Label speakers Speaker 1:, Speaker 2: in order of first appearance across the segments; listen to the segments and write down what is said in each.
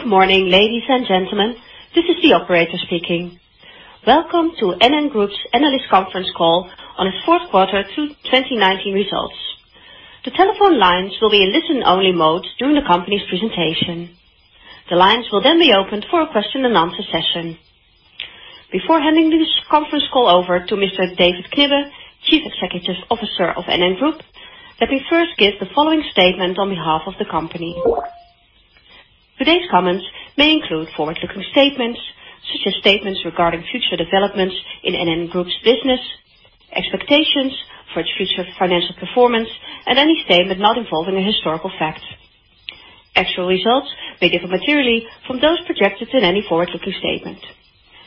Speaker 1: Good morning, ladies and gentlemen. This is the operator speaking. Welcome to NN Group's analyst conference call on its fourth quarter 2019 results. The telephone lines will be in listen-only mode during the company's presentation. The lines will then be opened for a question and answer session. Before handing this conference call over to Mr. David Knibbe, Chief Executive Officer of NN Group, let me first give the following statement on behalf of the company. Today's comments may include forward-looking statements, such as statements regarding future developments in NN Group's business, expectations for its future financial performance, and any statement not involving a historical fact. Actual results may differ materially from those projected in any forward-looking statement.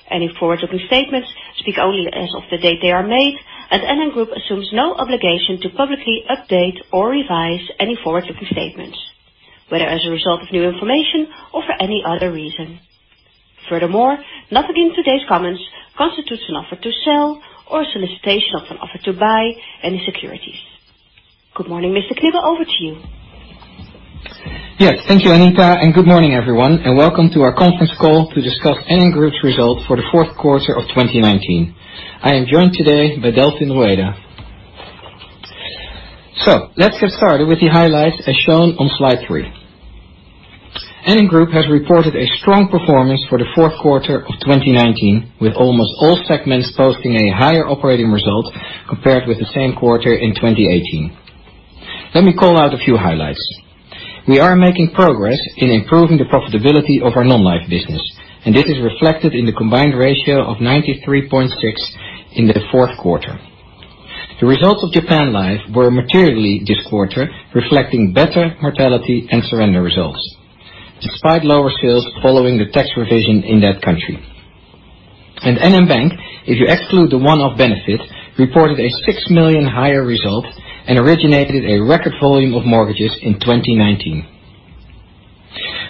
Speaker 1: Any forward-looking statements speak only as of the date they are made, and NN Group assumes no obligation to publicly update or revise any forward-looking statements, whether as a result of new information or for any other reason. Furthermore, nothing in today's comments constitutes an offer to sell or a solicitation of an offer to buy any securities. Good morning, Mr. Knibbe. Over to you.
Speaker 2: Yes. Thank you, Anita, and good morning, everyone, and welcome to our conference call to discuss NN Group's results for the fourth quarter of 2019. I am joined today by Delfin Rueda. Let's get started with the highlights as shown on slide three. NN Group has reported a strong performance for the fourth quarter of 2019, with almost all segments posting a higher operating result compared with the same quarter in 2018. Let me call out a few highlights. We are making progress in improving the profitability of our Non-life business, and this is reflected in the combined ratio of 93.6% in the fourth quarter. The results of NN Life Japan were materially better this quarter, reflecting better mortality and surrender results, despite lower sales following the tax revision in that country. NN Bank, if you exclude the one-off benefit, reported a 6 million higher result and originated a record volume of mortgages in 2019.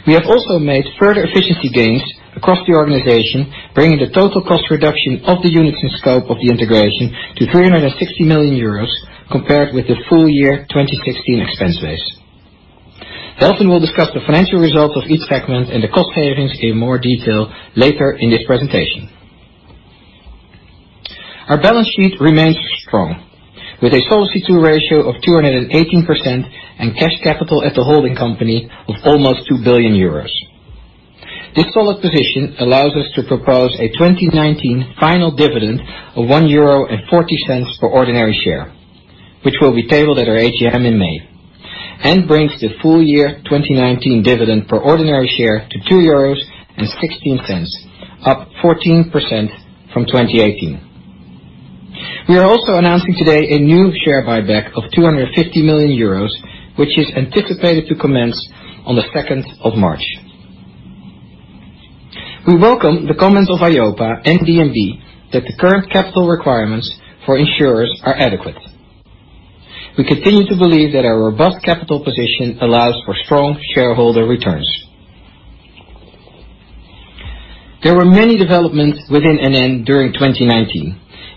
Speaker 2: We have also made further efficiency gains across the organization, bringing the total cost reduction of the units in scope of the integration to 360 million euros compared with the full year 2016 expense base. Delfin will discuss the financial results of each segment and the cost savings in more detail later in this presentation. Our balance sheet remains strong, with a Solvency II ratio of 218% and cash capital at the holding company of almost 2 billion euros. This solid position allows us to propose a 2019 final dividend of 1.40 euro for ordinary share, which will be tabled at our AGM in May and brings the full-year 2019 dividend per ordinary share to 2.16 euros, up 14% from 2018. We are also announcing today a new share buyback of 250 million euros, which is anticipated to commence on the 2nd of March. We welcome the comments of EIOPA and DNB that the current capital requirements for insurers are adequate. We continue to believe that our robust capital position allows for strong shareholder returns. There were many developments within NN during 2019,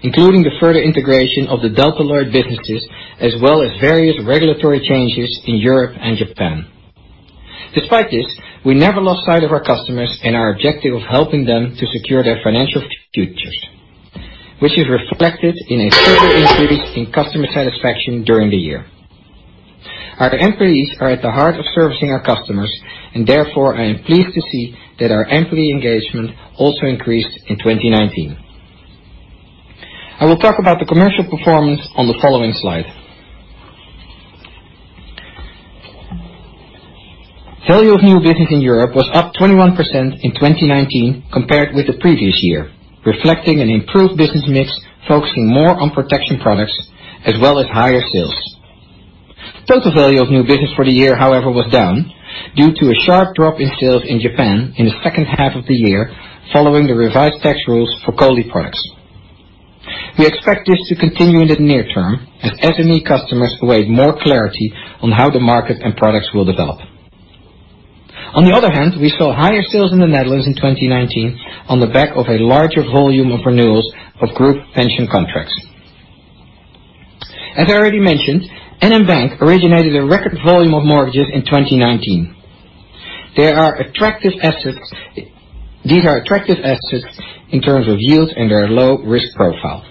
Speaker 2: including the further integration of the Delta Lloyd businesses, as well as various regulatory changes in Europe and Japan. Despite this, we never lost sight of our customers and our objective of helping them to secure their financial futures, which is reflected in a further increase in customer satisfaction during the year. Our employees are at the heart of servicing our customers. Therefore, I am pleased to see that our employee engagement also increased in 2019. I will talk about the commercial performance on the following slide. Value of new business in Europe was up 21% in 2019 compared with the previous year, reflecting an improved business mix, focusing more on protection products as well as higher sales. Total value of new business for the year, however, was down due to a sharp drop in sales in Japan in the second half of the year following the revised tax rules for COLI products. We expect this to continue in the near term as SME customers await more clarity on how the market and products will develop. On the other hand, we saw higher sales in the Netherlands in 2019 on the back of a larger volume of renewals of group pension contracts. As I already mentioned, NN Bank originated a record volume of mortgages in 2019. These are attractive assets in terms of yield. They are low risk profile.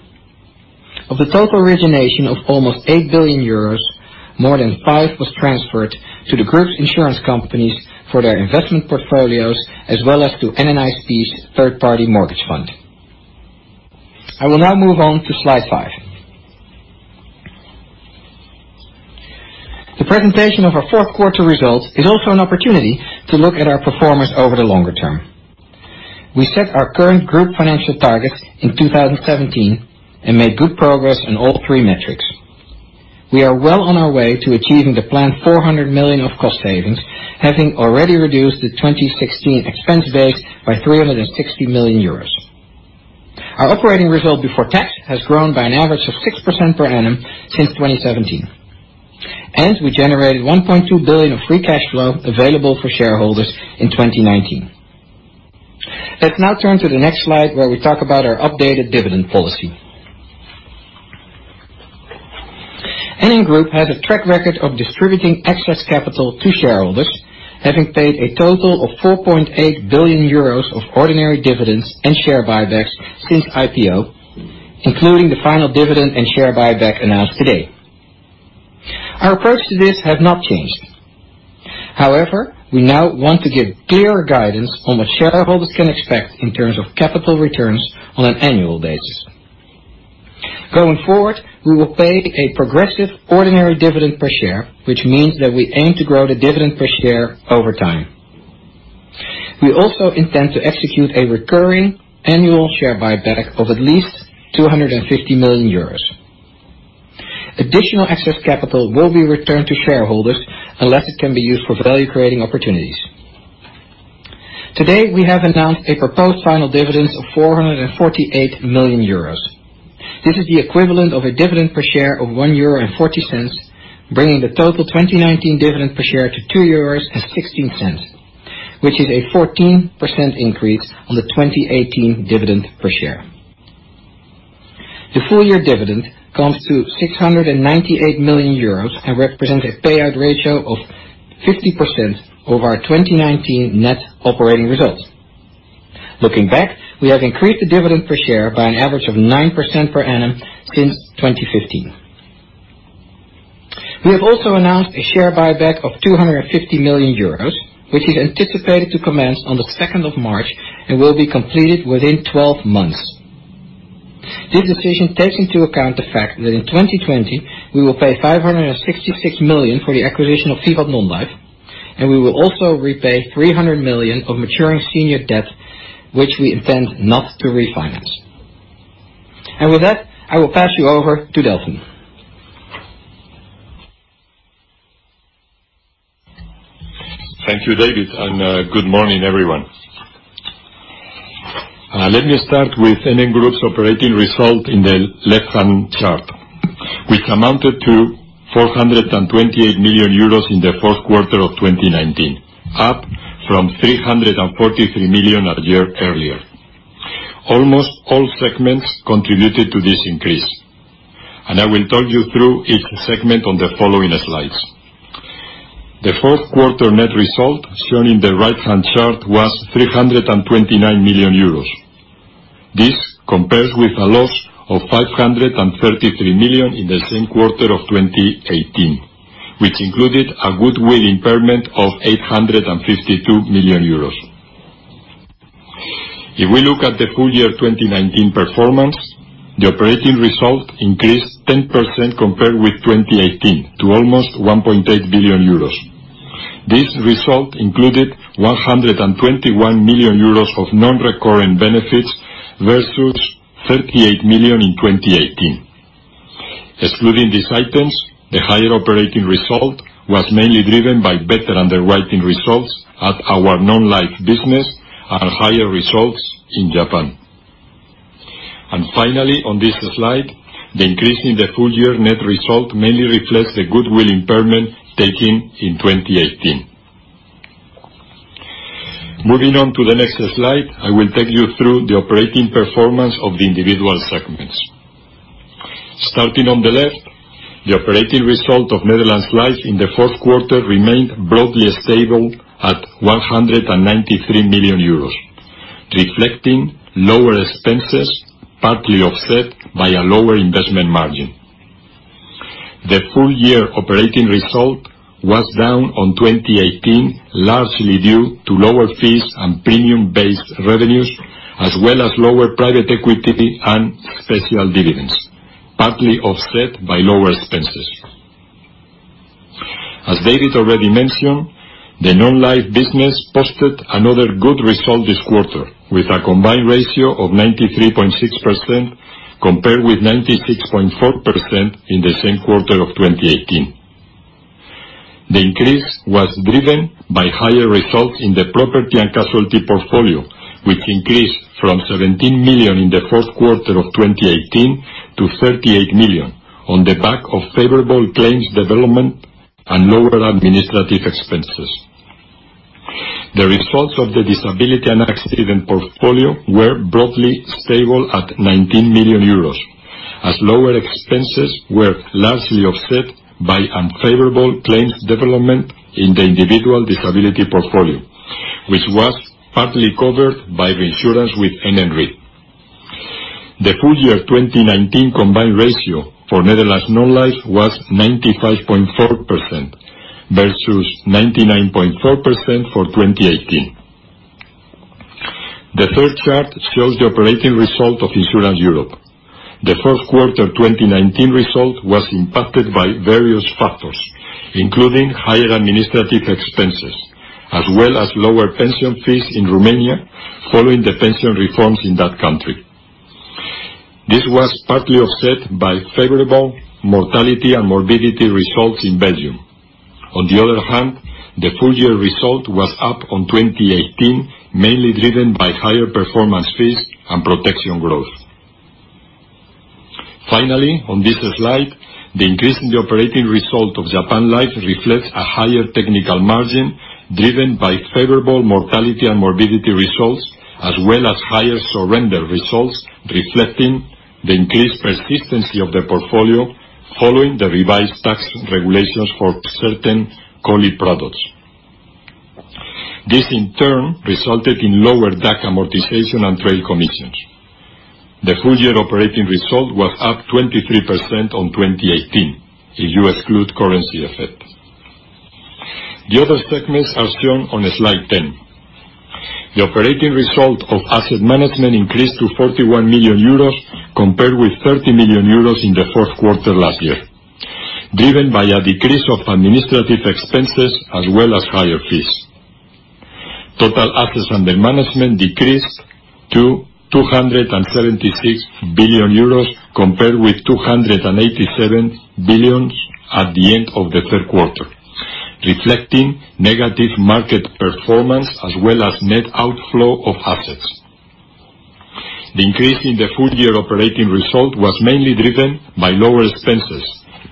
Speaker 2: Of the total origination of almost 8 billion euros, more than five was transferred to the group's insurance companies for their investment portfolios as well as to NN IP's third-party mortgage fund. I will now move on to slide five. The presentation of our fourth quarter results is also an opportunity to look at our performance over the longer term. We set our current group financial targets in 2017 and made good progress on all three metrics. We are well on our way to achieving the planned 400 million of cost savings, having already reduced the 2016 expense base by 360 million euros. Our operating result before tax has grown by an average of 6% per annum since 2017, and we generated 1.2 billion of free cash flow available for shareholders in 2019. Let's now turn to the next slide where we talk about our updated dividend policy. NN Group has a track record of distributing excess capital to shareholders, having paid a total of 4.8 billion euros of ordinary dividends and share buybacks since IPO, including the final dividend and share buyback announced today. Our approach to this has not changed. However, we now want to give clearer guidance on what shareholders can expect in terms of capital returns on an annual basis. Going forward, we will pay a progressive ordinary dividend per share, which means that we aim to grow the dividend per share over time. We also intend to execute a recurring annual share buyback of at least 250 million euros. Additional excess capital will be returned to shareholders unless it can be used for value-creating opportunities. Today, we have announced a proposed final dividend of 448 million euros. This is the equivalent of a dividend per share of 1.40 euro, bringing the total 2019 dividend per share to 2.16 euros, which is a 14% increase on the 2018 dividend per share. The full-year dividend comes to 698 million euros and represents a payout ratio of 50% over our 2019 net operating results. Looking back, we have increased the dividend per share by an average of 9% per annum since 2015. We have also announced a share buyback of 250 million euros, which is anticipated to commence on the 2nd of March and will be completed within 12 months. This decision takes into account the fact that in 2020, we will pay 566 million for the acquisition of VIVAT Non-life, and we will also repay 300 million of maturing senior debt, which we intend not to refinance. With that, I will pass you over to Delfin.
Speaker 3: Thank you, David, and good morning, everyone. Let me start with NN Group's operating result in the left-hand chart, which amounted to 428 million euros in the fourth quarter of 2019, up from 343 million a year earlier. Almost all segments contributed to this increase, and I will talk you through each segment on the following slides. The fourth quarter net result shown in the right-hand chart was 329 million euros. This compares with a loss of 533 million in the same quarter of 2018, which included a goodwill impairment of 852 million euros. If we look at the full year 2019 performance, the operating result increased 10% compared with 2018 to almost 1.8 billion euros. This result included 121 million euros of non-recurrent benefits versus 38 million in 2018. Excluding these items, the higher operating result was mainly driven by better underwriting results at our non-life business and higher results in Japan. Finally, on this slide, the increase in the full-year net result mainly reflects the goodwill impairment taking in 2018. Moving on to the next slide, I will take you through the operating performance of the individual segments. Starting on the left, the operating result of Netherlands Life in the fourth quarter remained broadly stable at 193 million euros, reflecting lower expenses, partly offset by a lower investment margin. The full-year operating result was down on 2018, largely due to lower fees and premium-based revenues, as well as lower private equity and special dividends, partly offset by lower expenses. As David already mentioned, the Non-life business posted another good result this quarter with a combined ratio of 93.6% compared with 96.4% in the same quarter of 2018. The increase was driven by higher results in the property and casualty portfolio, which increased from 17 million in the fourth quarter of 2018 to 38 million on the back of favorable claims development and lower administrative expenses. The results of the disability and accident portfolio were broadly stable at 19 million euros, as lower expenses were largely offset by unfavorable claims development in the individual disability portfolio, which was partly covered by reinsurance with NN Re. The full-year 2019 combined ratio for Netherlands Non-life was 95.4% versus 99.4% for 2018. The third chart shows the operating result of Insurance Europe. The fourth quarter 2019 result was impacted by various factors, including higher administrative expenses as well as lower pension fees in Romania following the pension reforms in that country. This was partly offset by favorable mortality and morbidity results in Belgium. The full-year result was up on 2018, mainly driven by higher performance fees and protection growth. Finally, on this slide, the increase in the operating result of NN Life Japan reflects a higher technical margin driven by favorable mortality and morbidity results, as well as higher surrender results, reflecting the increased persistency of the portfolio following the revised tax regulations for certain COLI products. This, in turn, resulted in lower DAC amortization and trade commissions. The full-year operating result was up 23% on 2018 if you exclude currency effect. The other segments are shown on slide 10. The operating result of NN Investment Partners increased to 41 million euros compared with 30 million euros in the fourth quarter last year, driven by a decrease of administrative expenses as well as higher fees. Total assets under management decreased to 276 billion euros, compared with 287 billion at the end of the third quarter, reflecting negative market performance as well as net outflow of assets. The increase in the full-year operating result was mainly driven by lower expenses,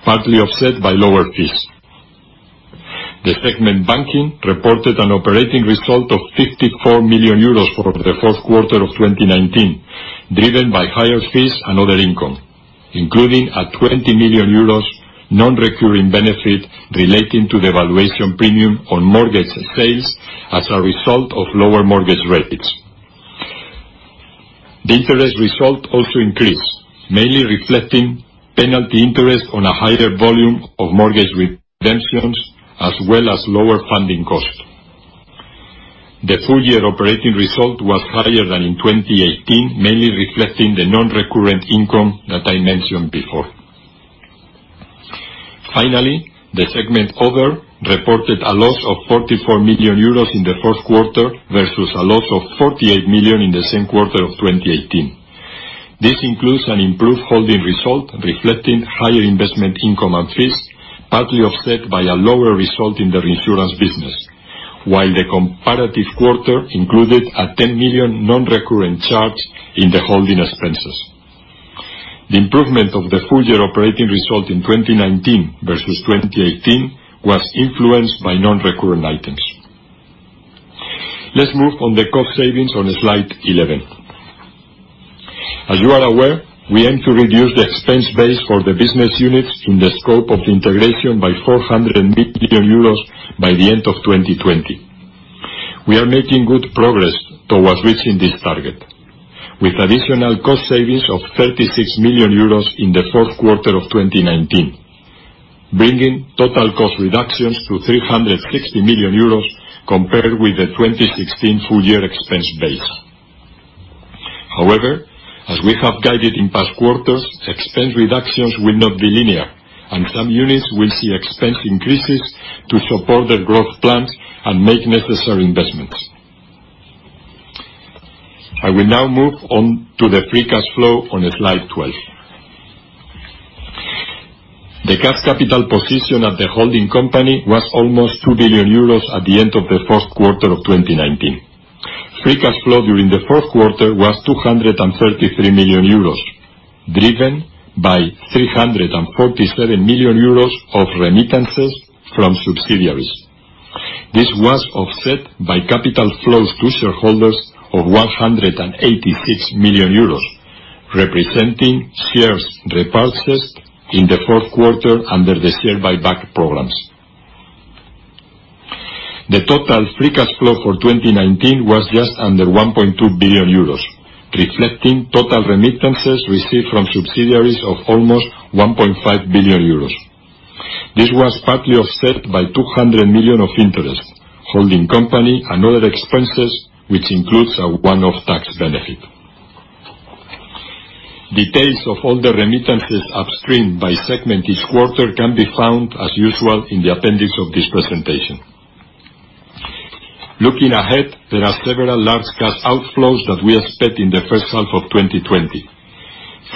Speaker 3: partly offset by lower fees. The segment banking reported an operating result of 54 million euros for the fourth quarter of 2019, driven by higher fees and other income, including a 20 million euros non-recurring benefit relating to the valuation premium on mortgage sales as a result of lower mortgage rates. The interest result also increased, mainly reflecting penalty interest on a higher volume of mortgage redemptions, as well as lower funding costs. The full-year operating result was higher than in 2018, mainly reflecting the non-recurrent income that I mentioned before. Finally, the segment other reported a loss of 44 million euros in the fourth quarter versus a loss of 48 million in the same quarter of 2018. This includes an improved holding result reflecting higher investment income and fees, partly offset by a lower result in the reinsurance business. While the comparative quarter included a 10 million non-recurrent charge in the holding expenses. The improvement of the full-year operating result in 2019 versus 2018 was influenced by non-recurrent items. Let's move on the cost savings on slide 11. As you are aware, we aim to reduce the expense base for the business units in the scope of integration by 400 million euros by the end of 2020. We are making good progress towards reaching this target, with additional cost savings of 36 million euros in the fourth quarter of 2019, bringing total cost reductions to 360 million euros compared with the 2016 full-year expense base. However, as we have guided in past quarters, expense reductions will not be linear, and some units will see expense increases to support their growth plans and make necessary investments. I will now move on to the free cash flow on slide 12. The cash capital position of the holding company was almost 2 billion euros at the end of the fourth quarter of 2019. Free cash flow during the fourth quarter was 233 million euros, driven by 347 million euros of remittances from subsidiaries. This was offset by capital flows to shareholders of 186 million euros, representing shares repurchased in the fourth quarter under the share buyback programs. The total free cash flow for 2019 was just under 1.2 billion euros, reflecting total remittances received from subsidiaries of almost 1.5 billion euros. This was partly offset by 200 million of interest, holding company and other expenses, which includes a one-off tax benefit. Details of all the remittances upstream by segment each quarter can be found, as usual, in the appendix of this presentation. Looking ahead, there are several large cash outflows that we expect in the first half of 2020.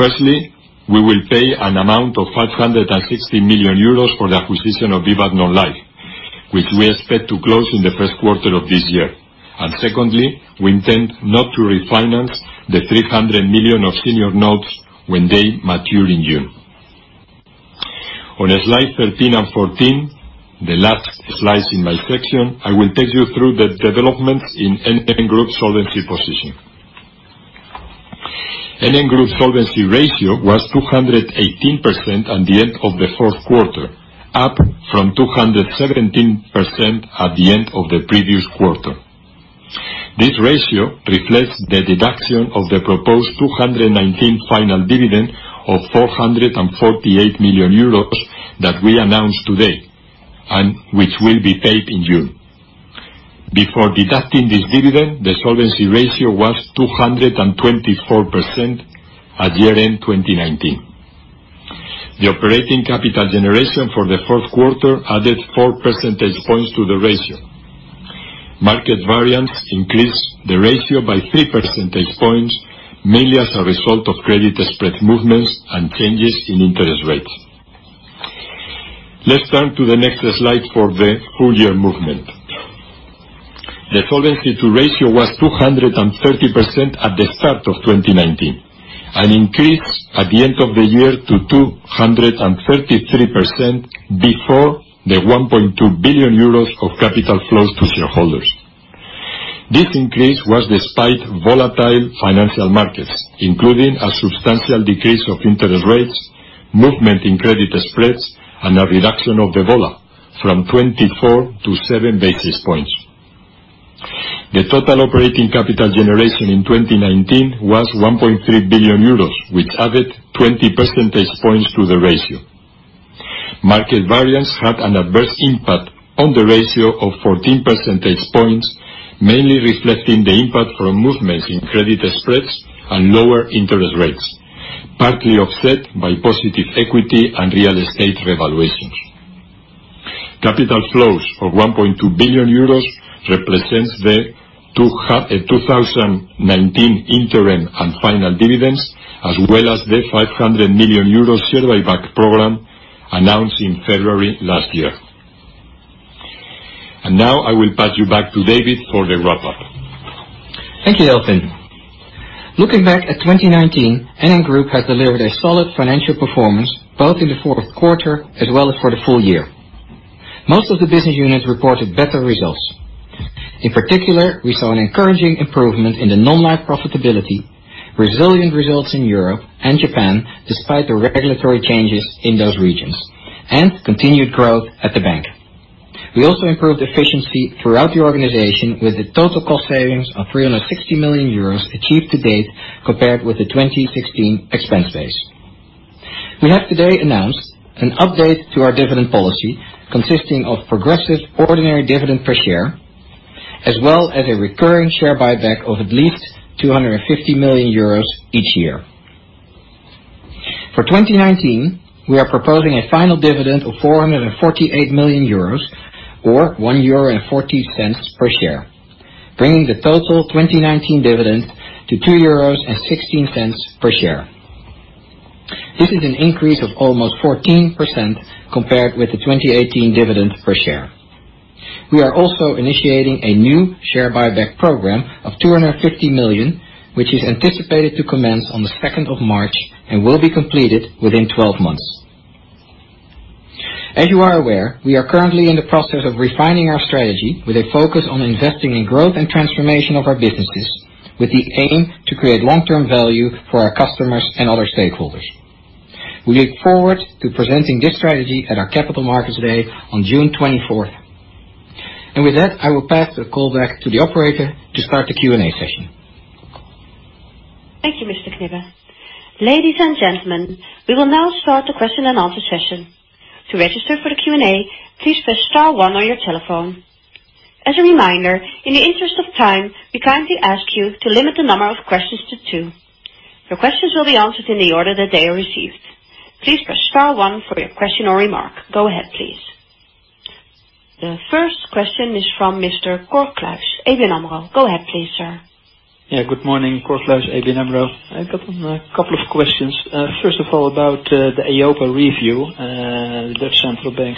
Speaker 3: Firstly, we will pay an amount of 566 million euros for the acquisition of VIVAT Non-life, which we expect to close in the first quarter of this year. Secondly, we intend not to refinance the 300 million of senior notes when they mature in June. On slide 13 and 14, the last slides in my section, I will take you through the developments in NN Group solvency position. NN Group Solvency II ratio was 218% at the end of the fourth quarter, up from 217% at the end of the previous quarter. This ratio reflects the deduction of the proposed 2019 final dividend of 448 million euros that we announced today, and which will be paid in June. Before deducting this dividend, the solvency ratio was 224% at year-end 2019. The operating capital generation for the fourth quarter added 4 percentage points to the ratio. Market variance increased the ratio by 3 percentage points, mainly as a result of credit spread movements and changes in interest rates. Let's turn to the next slide for the full-year movement. The Solvency II ratio was 230% at the start of 2019, and increased at the end of the year to 233%, before the 1.2 billion euros of capital flows to shareholders. This increase was despite volatile financial markets, including a substantial decrease of interest rates, movement in credit spreads, and a reduction of the VA from 24 to 7 basis points. The total operating capital generation in 2019 was 1.3 billion euros, which added 20 percentage points to the ratio. Market variance had an adverse impact on the ratio of 14 percentage points, mainly reflecting the impact from movement in credit spreads and lower interest rates, partly offset by positive equity and real estate revaluations. Capital flows of 1.2 billion euros represents the 2019 interim and final dividends, as well as the 500 million euro share buyback program announced in February last year. Now I will pass you back to David for the wrap-up.
Speaker 2: Thank you, Delfin. Looking back at 2019, NN Group has delivered a solid financial performance, both in the fourth quarter as well as for the full year. Most of the business units reported better results. In particular, we saw an encouraging improvement in the Non-life profitability, resilient results in Europe and Japan, despite the regulatory changes in those regions, and continued growth at the bank. We also improved efficiency throughout the organization with the total cost savings of 360 million euros achieved to date, compared with the 2016 expense base. We have today announced an update to our dividend policy consisting of progressive ordinary dividend per share, as well as a recurring share buyback of at least 250 million euros each year. For 2019, we are proposing a final dividend of 448 million euros or 1.40 euro per share, bringing the total 2019 dividend to 2.16 euros per share. This is an increase of almost 14% compared with the 2018 dividend per share. We are also initiating a new share buyback program of 250 million, which is anticipated to commence on the 2nd of March and will be completed within 12 months. As you are aware, we are currently in the process of refining our strategy with a focus on investing in growth and transformation of our businesses, with the aim to create long-term value for our customers and other stakeholders. We look forward to presenting this strategy at our Capital Markets Day on June 24th. With that, I will pass the call back to the operator to start the Q&A session.
Speaker 1: Thank you, Mr. Knibbe. Ladies and gentlemen, we will now start the question and answer session. To register for the Q&A, please press star one on your telephone. As a reminder, in the interest of time, we kindly ask you to limit the number of questions to two. Your questions will be answered in the order that they are received. Please press star one for your question or remark. Go ahead, please. The first question is from Mr. Cor Kluis, ABN AMRO. Go ahead please, sir.
Speaker 4: Good morning, Cor Kluis, ABN AMRO. I've got a couple of questions. First of all, about the EIOPA review. The Central Bank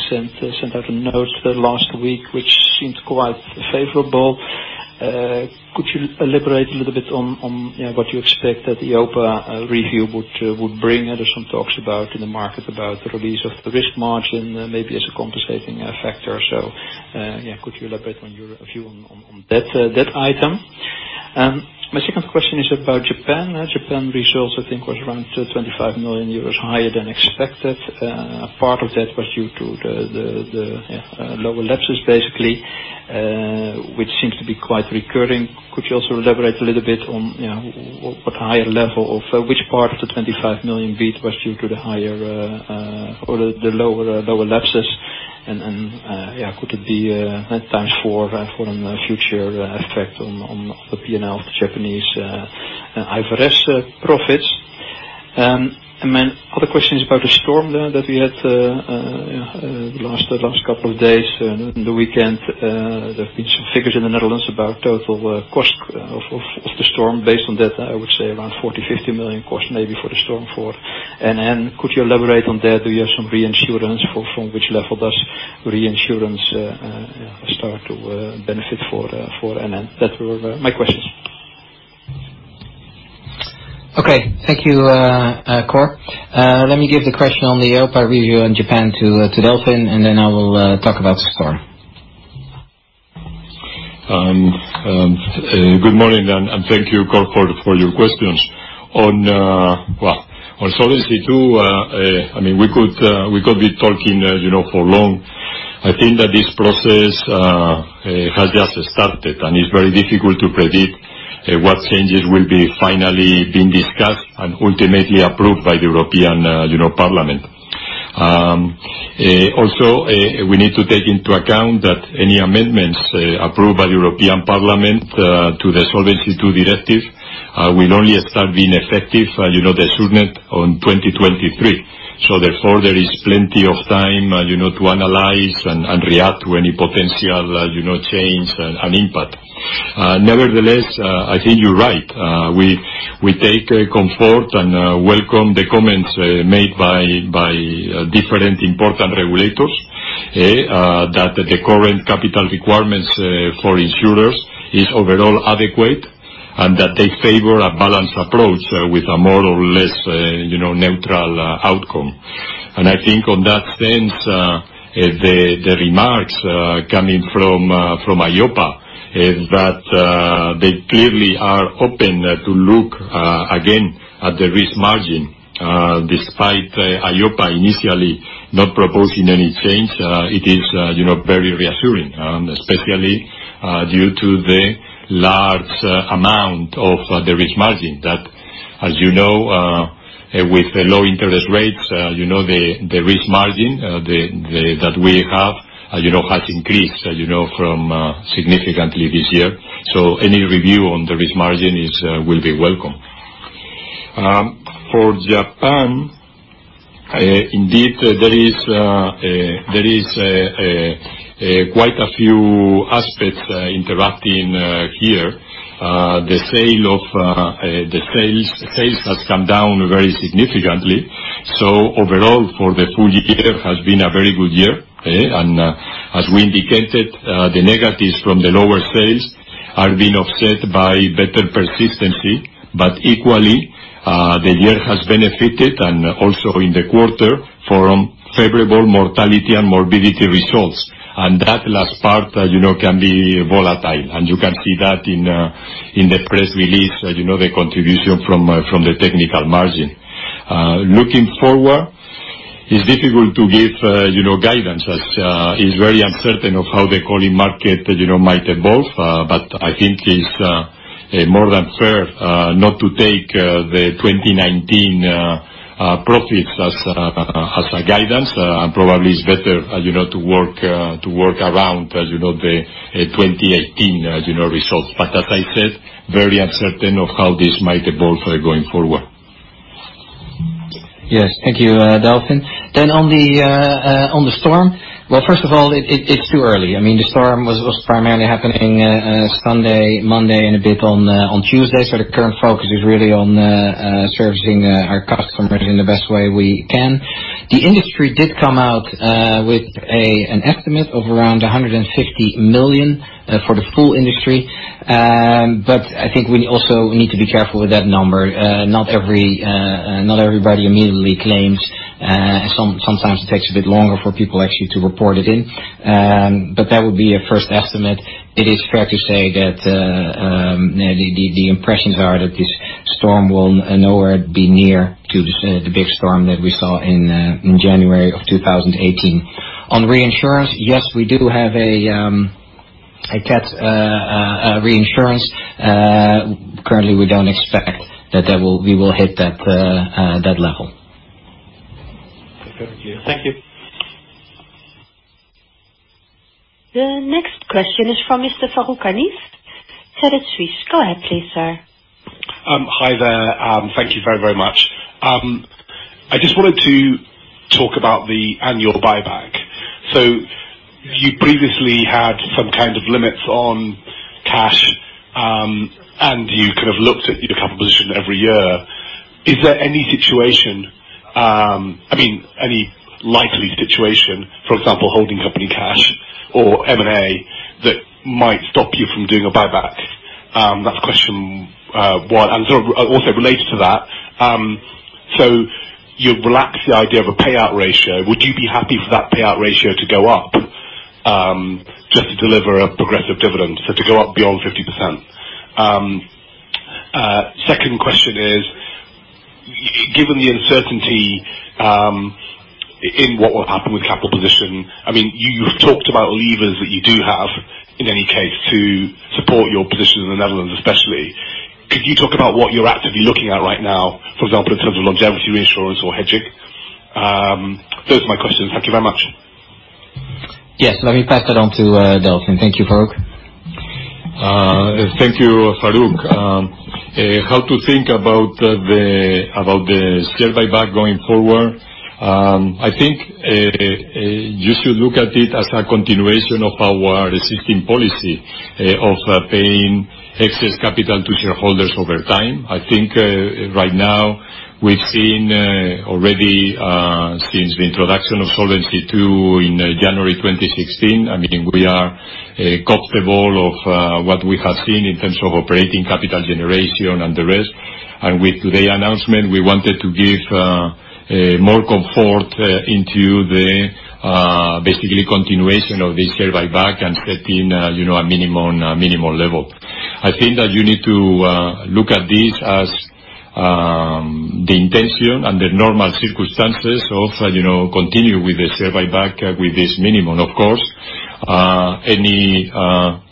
Speaker 4: sent out a note last week, which seemed quite favorable. Could you elaborate a little bit on what you expect that the EIOPA review would bring? There are some talks about, in the market, about the release of the risk margin, maybe as a compensating factor. Could you elaborate on your view on that item? My second question is about Japan. Japan results, I think, was around 25 million euros higher than expected. Part of that was due to the lower lapses, basically, which seems to be quite recurring. Could you also elaborate a little bit on what higher level of which part of the 25 million beat was due to the lower lapses and could it be signs for a future effect on the P&L of the Japanese IFRS profits? My other question is about the storm there that we had the last couple of days, on the weekend. There have been some figures in the Netherlands about total cost of the storm based on that, I would say around 40 million-50 million cost maybe for the storm, for NN. Could you elaborate on that? Do you have some reinsurance? From which level does reinsurance start to benefit for NN? That were my questions.
Speaker 2: Okay. Thank you, Cor. Let me give the question on the EIOPA review on Japan to Delfin, and then I will talk about storm.
Speaker 3: Good morning, thank you, Cor, for your questions. On Solvency II, we could be talking for long. I think that this process has just started, and it's very difficult to predict what changes will be finally being discussed and ultimately approved by the European Parliament. We need to take into account that any amendments approved by the European Parliament, to the Solvency II directive, will only start being effective the soonest on 2023. Therefore, there is plenty of time to analyze and react to any potential change and impact. Nevertheless, I think you're right. We take comfort and welcome the comments made by different important regulators, that the current capital requirements for insurers is overall adequate, and that they favor a balanced approach with a more or less neutral outcome. I think in that sense, the remarks coming from EIOPA is that they clearly are open to look again at the risk margin, despite EIOPA initially not proposing any change. It is very reassuring, especially due to the large amount of the risk margin. As you know, with low interest rates, the risk margin that we have has increased significantly this year. Any review on the risk margin will be welcome. For Japan, indeed, there is quite a few aspects interacting here. The sales has come down very significantly. Overall, for the full year, it has been a very good year, and as we indicated, the negatives from the lower sales are being offset by better persistency. Equally, the year has benefited, and also in the quarter, from favorable mortality and morbidity results. That last part can be volatile, and you can see that in the press release, the contribution from the technical margin. Looking forward, it's difficult to give guidance, as it's very uncertain of how the COLI market might evolve. I think it's more than fair not to take the 2019 profits as a guidance. Probably it's better to work around the 2018 results. As I said, very uncertain of how this might evolve going forward.
Speaker 2: Yes. Thank you, Delfin. On the storm. Well, first of all, it's too early. The storm was primarily happening Sunday, Monday, and a bit on Tuesday. The current focus is really on servicing our customers in the best way we can. The industry did come out with an estimate of around 150 million for the full industry. I think we also need to be careful with that number. Not everybody immediately claims. Sometimes it takes a bit longer for people actually to report it in. That would be a first estimate. It is fair to say that the impressions are that this storm will nowhere be near to the big storm that we saw in January of 2018. On reinsurance, yes, we do have a cat reinsurance. Currently, we don't expect that we will hit that level.
Speaker 4: Okay. Thank you.
Speaker 2: Thank you.
Speaker 1: The next question is from Mr. Farooq Hanif, Credit Suisse. Go ahead please, sir.
Speaker 5: Hi there. Thank you very, very much. I just wanted to talk about the annual buyback. You previously had some kind of limits on cash, and you kind of looked at the capital position every year. Is there any likely situation, for example, holding company cash or M&A, that might stop you from doing a buyback? That's question one. You've relaxed the idea of a payout ratio. Would you be happy for that payout ratio to go up, just to deliver a progressive dividend, so to go up beyond 50%? Second question is, given the uncertainty in what will happen with capital position, you've talked about levers that you do have, in any case, to support your position in the Netherlands, especially. Could you talk about what you're actively looking at right now, for example, in terms of longevity insurance or hedging? Those are my questions. Thank you very much.
Speaker 2: Yes. Let me pass that on to Delfin. Thank you, Farooq.
Speaker 3: Thank you, Farooq. How to think about the share buyback going forward. I think you should look at it as a continuation of our existing policy of paying excess capital to shareholders over time. I think right now, we've seen already since the introduction of Solvency II in January 2016. We are comfortable of what we have seen in terms of operating capital generation and the rest. With today's announcement, we wanted to give more comfort into basically continuation of the share buyback and setting a minimal level. I think that you need to look at this as the intention under normal circumstances of continue with the share buyback with this minimum. Any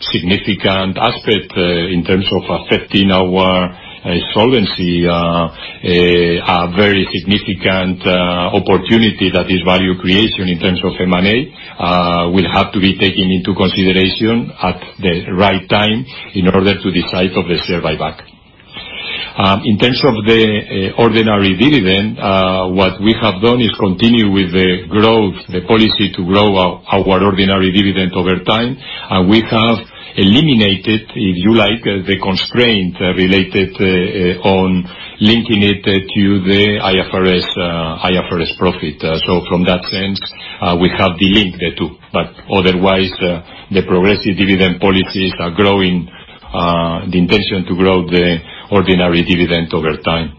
Speaker 3: significant aspect in terms of affecting our solvency, a very significant opportunity that is value creation in terms of M&A, will have to be taken into consideration at the right time in order to decide of the share buyback. In terms of the ordinary dividend, what we have done is continue with the growth, the policy to grow our ordinary dividend over time. We have eliminated, if you like, the constraint related on linking it to the IFRS profit. From that sense, we have delinked the two. Otherwise, the progressive dividend policies are growing, the intention to grow the ordinary dividend over time.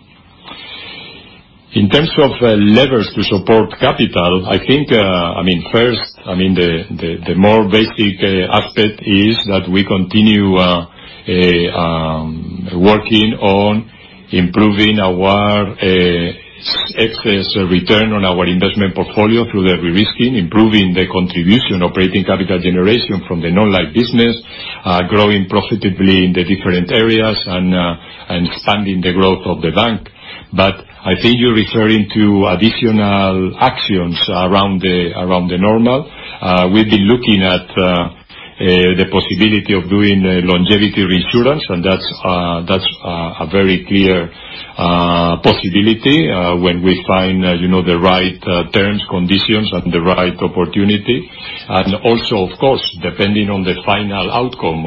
Speaker 3: In terms of levers to support capital, first, the more basic aspect is that we continue working on improving our excess return on our investment portfolio through de-risking, improving the contribution operating capital generation from the Non-life business, growing profitably in the different areas, and expanding the growth of the bank. I think you're referring to additional actions around the normal. We've been looking at the possibility of doing longevity reinsurance, that's a very clear possibility when we find the right terms, conditions, and the right opportunity. Also, of course, depending on the final outcome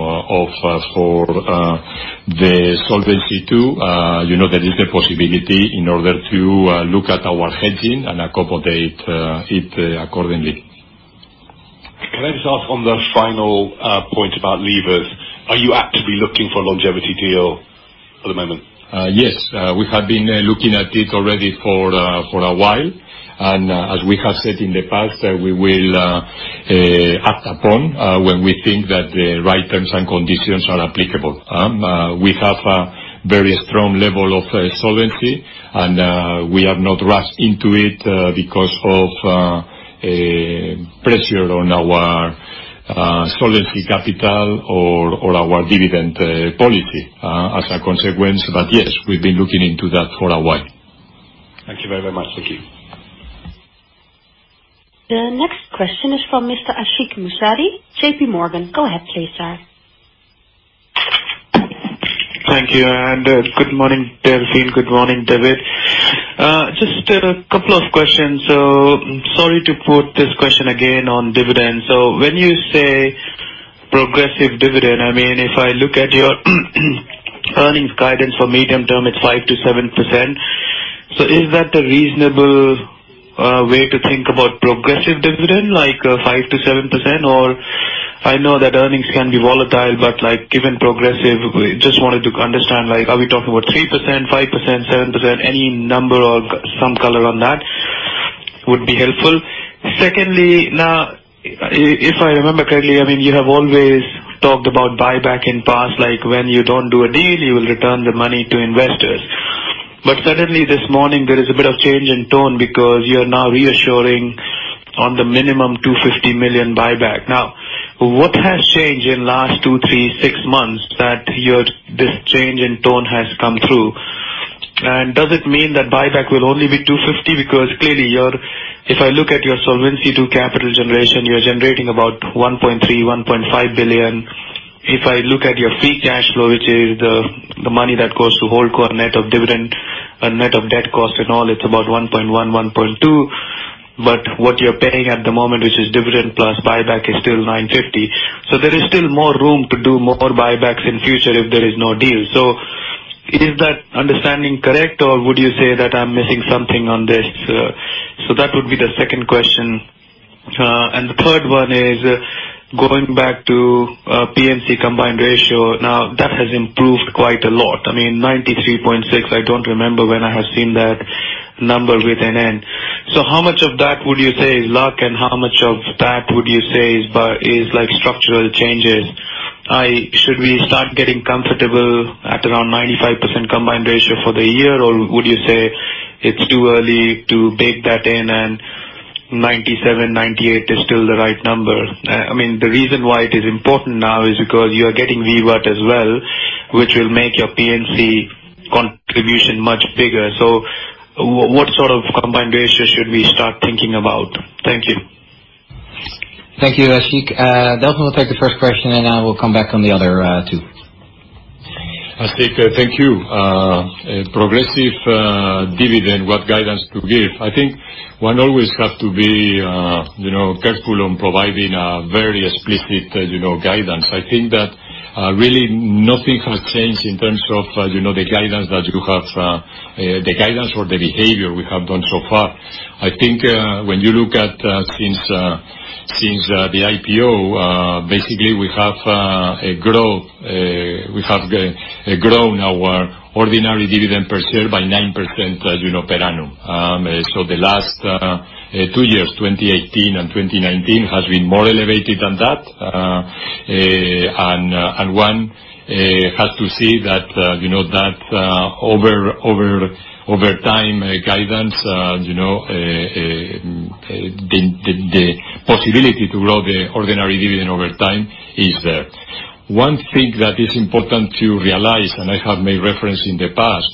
Speaker 3: for the Solvency II, there is a possibility in order to look at our hedging and accommodate it accordingly.
Speaker 5: Can I just ask on the final point about levers? Are you actively looking for longevity deal at the moment?
Speaker 3: Yes. We have been looking at it already for a while. As we have said in the past, we will act upon when we think that the right terms and conditions are applicable. We have a very strong level of solvency, and we have not rushed into it because of pressure on our solvency capital or our dividend policy as a consequence. Yes, we've been looking into that for a while.
Speaker 5: Thank you very much. Thank you.
Speaker 1: The next question is from Mr. Ashik Musaddi, JPMorgan. Go ahead, please, sir.
Speaker 6: Thank you. Good morning, Delfin. Good morning, David. Just a couple of questions. Sorry to put this question again on dividends. When you say progressive dividend, if I look at your earnings guidance for medium term, it's 5%-7%. Is that a reasonable way to think about progressive dividend, 5%-7%? I know that earnings can be volatile, given progressive, just wanted to understand, are we talking about 3%, 5%, 7%, any number or some color on that would be helpful. Secondly, now, if I remember correctly, you have always talked about buyback in past. When you don't do a deal, you will return the money to investors. Suddenly this morning, there is a bit of change in tone because you're now reassuring on the minimum 250 million buyback. What has changed in last two, three, six months that this change in tone has come through? Does it mean that buyback will only be 250 million? Clearly, if I look at your Solvency II capital generation, you're generating about 1.3 billion-1.5 billion. If I look at your free cash flow, which is the money that goes to whole core net of dividend and net of debt cost and all, it's about 1.1 billion-1.2 billion. What you're paying at the moment, which is dividend plus buyback, is still 950 million. There is still more room to do more buybacks in future if there is no deal. Is that understanding correct, or would you say that I'm missing something on this? That would be the second question. The third one is going back to P&C combined ratio. That has improved quite a lot. 93.6%, I don't remember when I have seen that number with NN. How much of that would you say is luck and how much of that would you say is structural changes? Should we start getting comfortable at around 95% combined ratio for the year, or would you say it's too early to bake that in and 97%-98% is still the right number? The reason why it is important now is because you are getting VIVAT as well, which will make your P&C contribution much bigger. What sort of combined ratio should we start thinking about? Thank you.
Speaker 2: Thank you, Ashik. Delfin will take the first question, and I will come back on the other two.
Speaker 3: Ashik, thank you. Progressive dividend, what guidance to give? I think one always has to be careful on providing a very explicit guidance. I think that really nothing has changed in terms of the guidance or the behavior we have done so far. I think when you look at since the IPO, basically, we have grown our ordinary dividend per share by 9% per annum. The last two years, 2018 and 2019, has been more elevated than that. One has to see that over time guidance, the possibility to grow the ordinary dividend over time is there. One thing that is important to realize, and I have made reference in the past,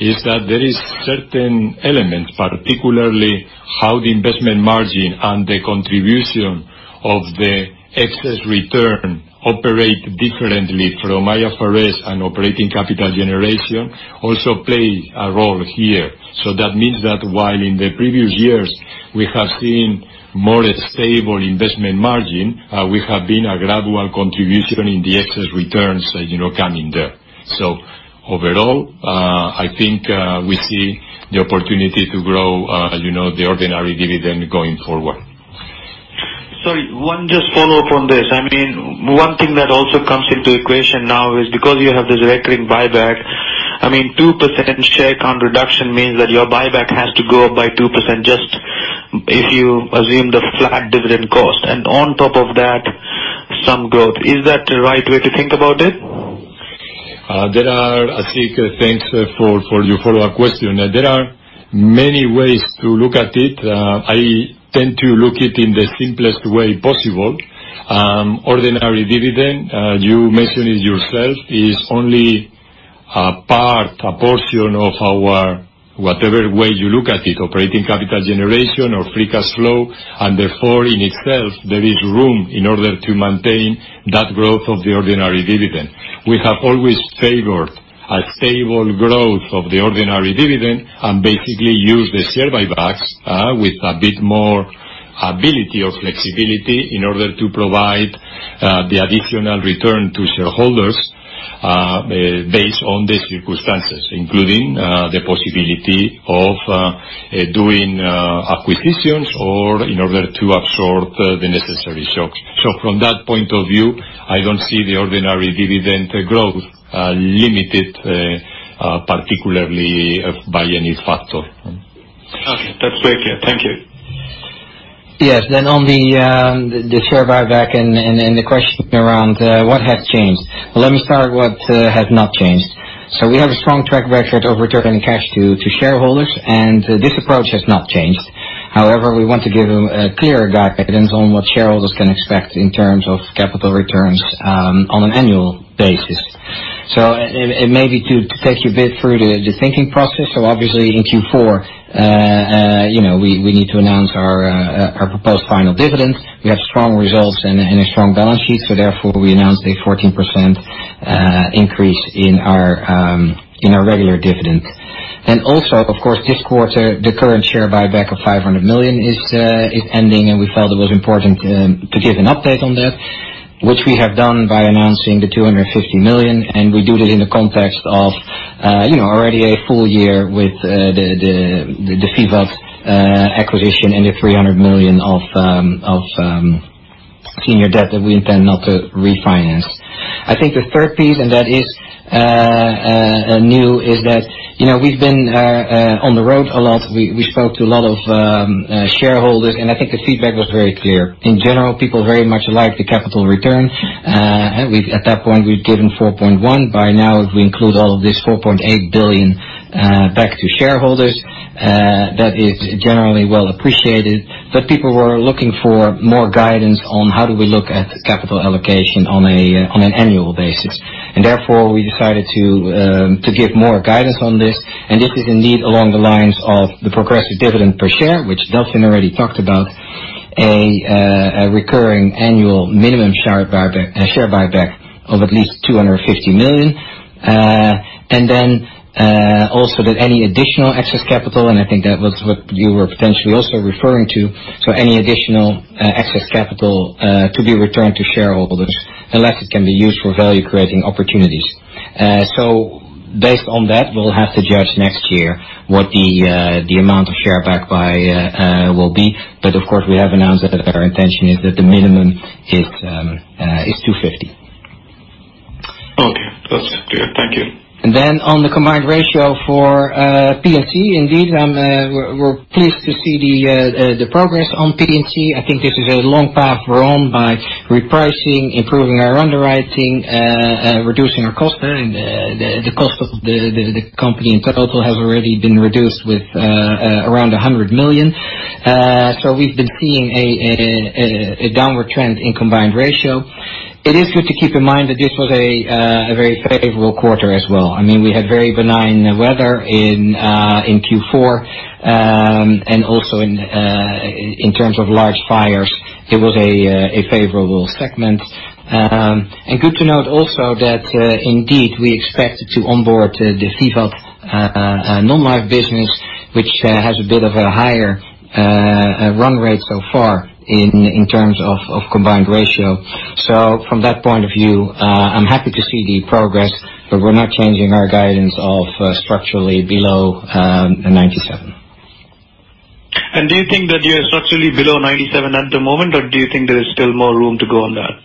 Speaker 3: is that there is certain elements, particularly how the investment margin and the contribution of the excess return operate differently from IFRS and operating capital generation also play a role here. That means that while in the previous years we have seen more stable investment margin, we have been a gradual contribution in the excess returns coming there. Overall, I think we see the opportunity to grow the ordinary dividend going forward.
Speaker 6: Sorry, one just follow up on this. One thing that also comes into equation now is because you have this recurring buyback, 2% share count reduction means that your buyback has to go up by 2%, just if you assume the flat dividend cost, on top of that, some growth. Is that the right way to think about it?
Speaker 3: Ashik, thanks for your follow-up question. There are many ways to look at it. I tend to look it in the simplest way possible. Ordinary dividend, you mentioned it yourself, is only a part, a portion of our, whatever way you look at it, operating capital generation or free cash flow, and therefore, in itself, there is room in order to maintain that growth of the ordinary dividend. We have always favored a stable growth of the ordinary dividend and basically use the share buybacks with a bit more ability or flexibility in order to provide the additional return to shareholders based on the circumstances, including the possibility of doing acquisitions or in order to absorb the necessary shocks. From that point of view, I don't see the ordinary dividend growth limited particularly by any factor.
Speaker 6: Okay. That's very clear. Thank you.
Speaker 2: Yes. On the share buyback and the question around what has changed. Let me start what has not changed. We have a strong track record of returning cash to shareholders, and this approach has not changed. However, we want to give a clear guidance on what shareholders can expect in terms of capital returns on an annual basis. Maybe to take you a bit through the thinking process. Obviously in Q4, we need to announce our proposed final dividend. We have strong results and a strong balance sheet, so therefore we announced a 14% increase in our regular dividend. Also, of course, this quarter, the current share buyback of 500 million is ending, and we felt it was important to give an update on that, which we have done by announcing the 250 million, and we do that in the context of already a full year with the VIVAT acquisition and the 300 million of senior debt that we intend not to refinance. I think the third piece, and that is new, is that we've been on the road a lot. We spoke to a lot of shareholders, and I think the feedback was very clear. In general, people very much like the capital return. At that point, we'd given 4.1 billion. By now, if we include all of this 4.8 billion back to shareholders, that is generally well appreciated. People were looking for more guidance on how do we look at capital allocation on an annual basis. Therefore, we decided to give more guidance on this, and this is indeed along the lines of the progressive dividend per share, which Delfin already talked about, a recurring annual minimum share buyback of at least 250 million. Then also that any additional excess capital, and I think that was what you were potentially also referring to. Any additional excess capital to be returned to shareholders, unless it can be used for value-creating opportunities. Based on that, we'll have to judge next year what the amount of share buyback will be. Of course, we have announced that our intention is that the minimum is 250 million.
Speaker 6: Okay. That's clear. Thank you.
Speaker 2: On the combined ratio for P&C, indeed, we're pleased to see the progress on P&C. I think this is a long path we're on by repricing, improving our underwriting, reducing our cost. The cost of the company in total has already been reduced with around 100 million. We've been seeing a downward trend in combined ratio. It is good to keep in mind that this was a very favorable quarter as well. We had very benign weather in Q4. Also in terms of large fires, it was a favorable segment. Good to note also that indeed, we expect to onboard the VIVAT Non-life business, which has a bit of a higher run rate so far in terms of combined ratio. From that point of view, I'm happy to see the progress, but we're not changing our guidance of structurally below 97%.
Speaker 6: Do you think that you're structurally below 97% at the moment, or do you think there is still more room to go on that?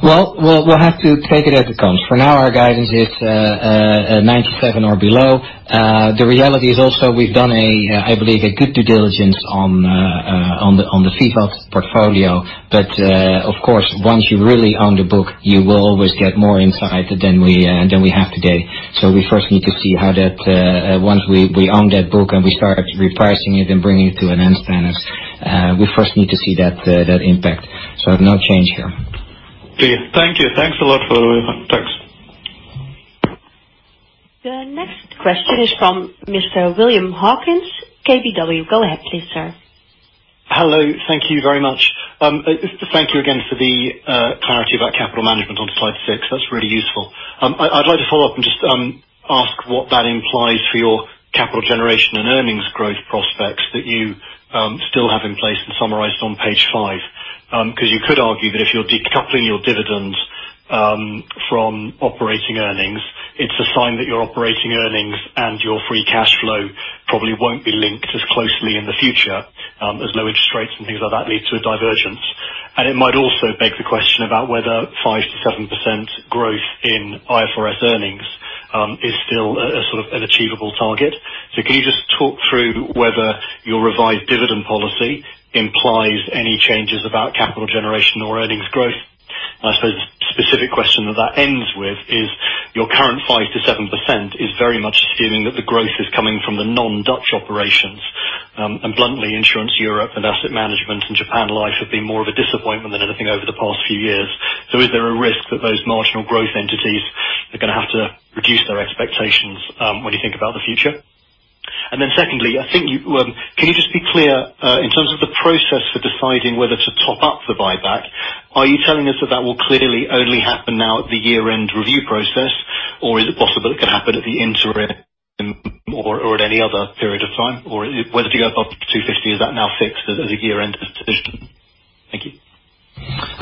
Speaker 2: Well, we'll have to take it as it comes. For now, our guidance is 97% or below. The reality is also we've done, I believe, a good due diligence on the VIVAT portfolio. Of course, once you really own the book, you will always get more insight than we have today. We first need to see how that, once we own that book and we start repricing it and bringing it to NN standards, we first need to see that impact. No change here.
Speaker 6: Please. Thank you. Thanks a lot. Thanks.
Speaker 1: The next question is from Mr. William Hawkins, KBW. Go ahead, please, sir.
Speaker 7: Hello. Thank you very much. Thank you again for the clarity about capital management on slide six. That's really useful. I'd like to follow up and just ask what that implies for your capital generation and earnings growth prospects that you still have in place and summarized on page five. You could argue that if you're decoupling your dividends from operating earnings, it's a sign that your operating earnings and your free cash flow probably won't be linked as closely in the future, as low interest rates and things like that lead to a divergence. It might also beg the question about whether 5%-7% growth in IFRS earnings is still an achievable target. Can you just talk through whether your revised dividend policy implies any changes about capital generation or earnings growth? I suppose specific question that ends with is, your current 5%-7% is very much assuming that the growth is coming from the non-Dutch operations. Bluntly, Insurance Europe and NN Investment Partners and NN Life Japan have been more of a disappointment than anything over the past few years. Is there a risk that those marginal growth entities are going to have to reduce their expectations when you think about the future? Secondly, can you just be clear, in terms of the process for deciding whether to top up the buyback, are you telling us that will clearly only happen now at the year-end review process? Is it possible it could happen at the interim or at any other period of time? Whether to go above 250 million, is that now fixed as a year-end decision? Thank you.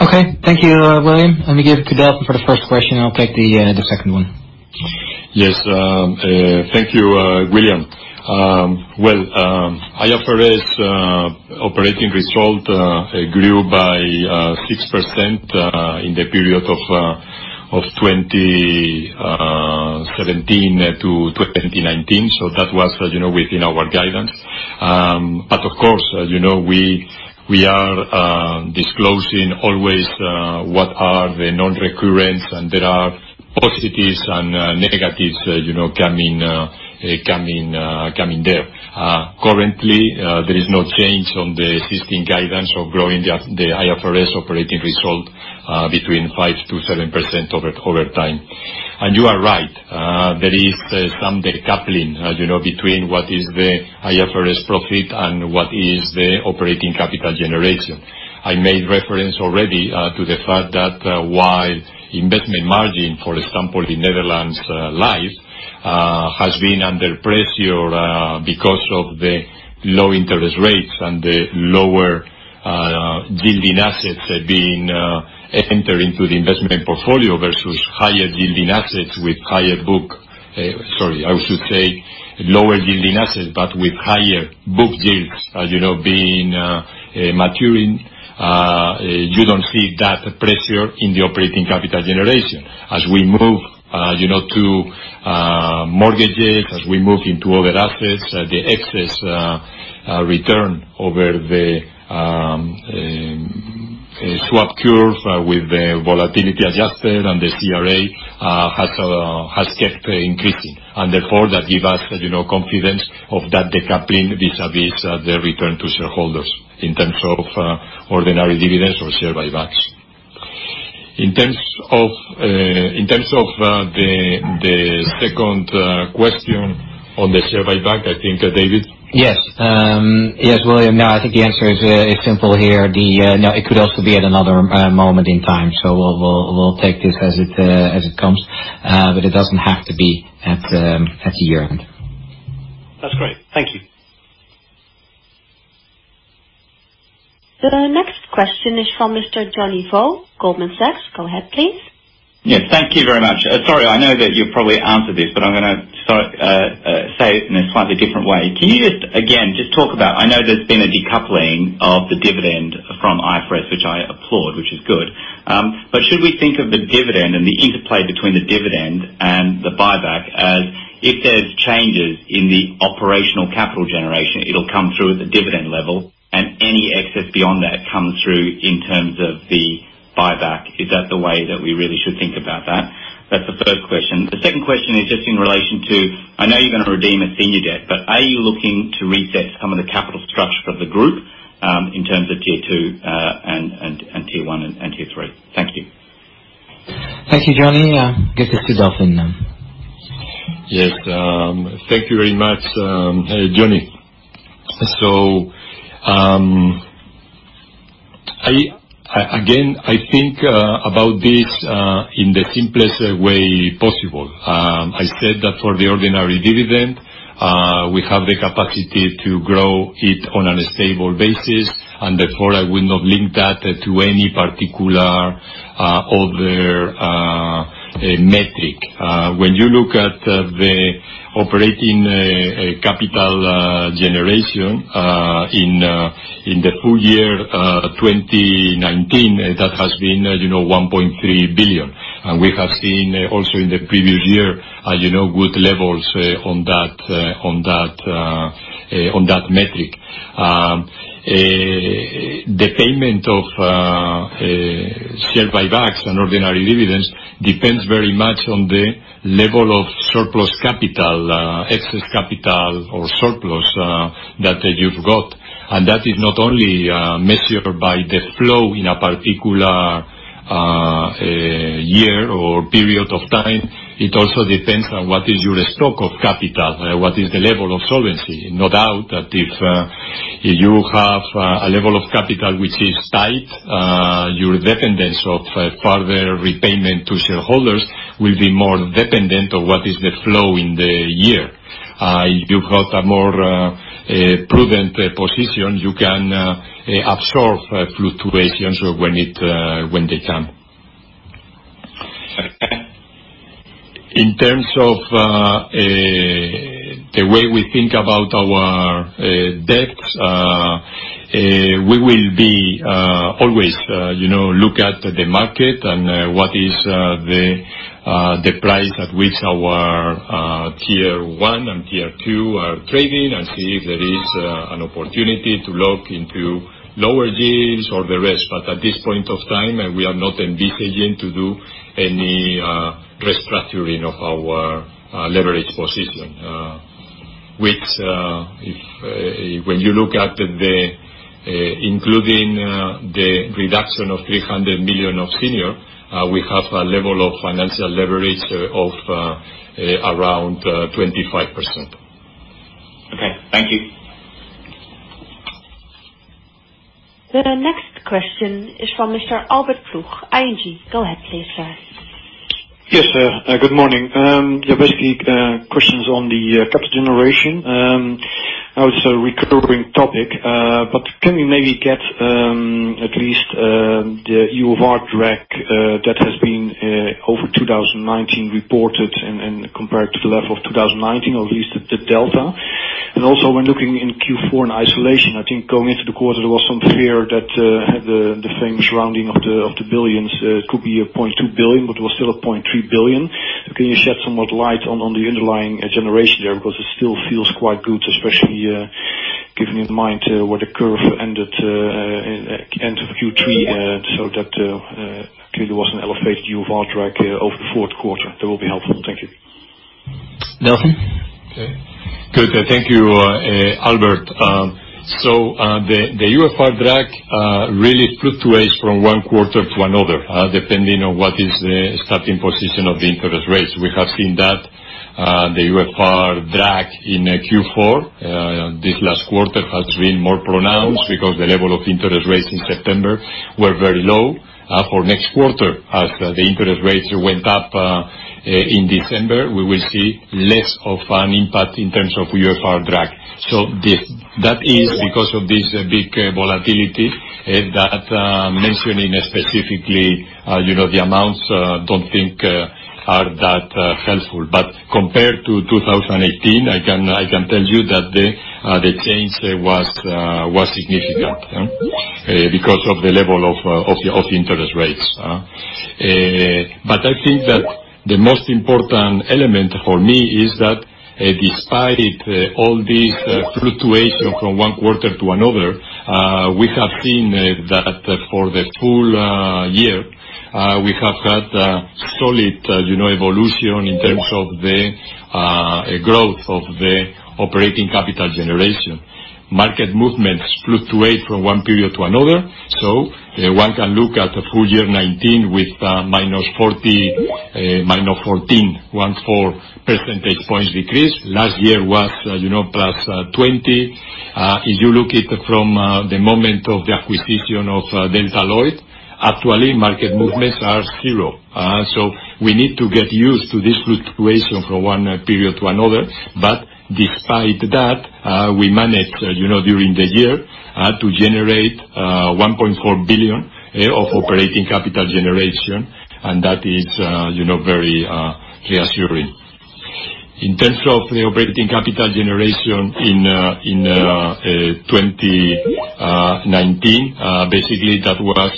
Speaker 2: Okay. Thank you, William. Let me give to Delfin for the first question, and I'll take the second one.
Speaker 3: Yes. Thank you, William. IFRS operating result grew by 6% in the period of 2017-2019. That was within our guidance. Of course, as you know, we are disclosing always what are the non-recurrent, and there are positives and negatives coming there. Currently, there is no change on the existing guidance of growing the IFRS operating result between 5%-7% over time. You are right. There is some decoupling, as you know, between what is the IFRS profit and what is the operating capital generation. I made reference already to the fact that while investment margin, for example, in Netherlands Life, has been under pressure because of the low interest rates and the lower yielding assets being entered into the investment portfolio versus higher yielding assets with higher book Sorry, I should say lower yielding assets, but with higher book yields, as you know, being maturing, you don't see that pressure in the operating capital generation. As we move to mortgages, as we move into other assets, the excess return over the swap curve with the volatility adjusted and the CRA has kept increasing. Therefore, that give us confidence of that decoupling vis-a-vis the return to shareholders in terms of ordinary dividends or share buybacks. In terms of the second question on the share buyback, I think, David?
Speaker 2: Yes. Yes, William. I think the answer is simple here. It could also be at another moment in time. We'll take this as it comes, but it doesn't have to be at the year-end.
Speaker 7: That's great. Thank you.
Speaker 1: The next question is from Mr. Johnny Vo, Goldman Sachs. Go ahead, please.
Speaker 8: Yes. Thank you very much. Sorry, I know that you probably answered this, but I'm going to say it in a slightly different way. Can you just, again, just talk about, I know there's been a decoupling of the dividend from IFRS, which I applaud, which is good. Should we think of the dividend and the interplay between the dividend and the buyback as if there's changes in the operating capital generation, it'll come through at the dividend level, and any excess beyond that comes through in terms of the buyback. Is that the way that we really should think about that? That's the first question. The second question is just in relation to, I know you're going to redeem a senior debt, but are you looking to reset some of the capital structure of the group, in terms of Tier 2 and Tier 1 and Tier 3? Thank you.
Speaker 2: Thank you, Johnny. Get to Delfin now.
Speaker 3: Yes. Thank you very much, Johnny. Again, I think about this in the simplest way possible. I said that for the ordinary dividend, we have the capacity to grow it on a stable basis, and therefore, I would not link that to any particular other metric. When you look at the operating capital generation in the full year 2019, that has been 1.3 billion. We have seen also in the previous year, good levels on that metric. The payment of share buybacks and ordinary dividends depends very much on the level of surplus capital, excess capital or surplus that you've got. That is not only measured by the flow in a particular year or period of time. It also depends on what is your stock of capital, what is the level of solvency. No doubt that if you have a level of capital which is tight, your dependence of further repayment to shareholders will be more dependent on what is the flow in the year. If you've got a more prudent position, you can absorb fluctuations when they come. In terms of the way we think about our debts, we will be always look at the market and what is the price at which our Tier 1 and Tier 2 are trading, and see if there is an opportunity to lock into lower deals or the rest. At this point of time, we are not envisaging to do any restructuring of our leverage position. Which, when you look at including the reduction of 300 million of senior, we have a level of financial leverage of around 25%.
Speaker 8: Okay. Thank you.
Speaker 1: The next question is from Mr. Albert Ploegh, ING. Go ahead, please.
Speaker 9: Yes, good morning. Questions on the capital generation. A recurring topic. Can we maybe get at least the UFR drag that has been over 2019 reported and compared to the level of 2019, or at least the delta? When looking in Q4 in isolation, I think going into the quarter, there was some fear that the famous rounding of the billions could be a 0.2 billion, but was still a 0.3 billion. Can you shed somewhat light on the underlying generation there? It still feels quite good, especially keeping in mind where the curve ended Q3, that clearly was an elevated UFR drag over the fourth quarter. That will be helpful. Thank you.
Speaker 2: Delfin?
Speaker 3: Good. Thank you, Albert. The UFR drag really fluctuates from one quarter to another, depending on what is the starting position of the interest rates. We have seen that the UFR drag in Q4, this last quarter, has been more pronounced because the level of interest rates in September were very low. For next quarter, as the interest rates went up in December, we will see less of an impact in terms of UFR drag. That is because of this big volatility, that mentioning specifically the amounts, I don't think are that helpful. Compared to 2018, I can tell you that the change was significant, because of the level of interest rates. I think that the most important element for me is that despite all this fluctuation from one quarter to another, we have seen that for the full year, we have had solid evolution in terms of the growth of the operating capital generation. Market movements fluctuate from one period to another, one can look at the full year 2019 with -14 percentage points decrease. Last year was +20 percentage points. If you look it from the moment of the acquisition of Delta Lloyd, actually market movements are zero. We need to get used to this fluctuation from one period to another. Despite that, we managed, during the year, to generate 1.4 billion of operating capital generation, and that is very reassuring. In terms of the operating capital generation in 2019, basically that was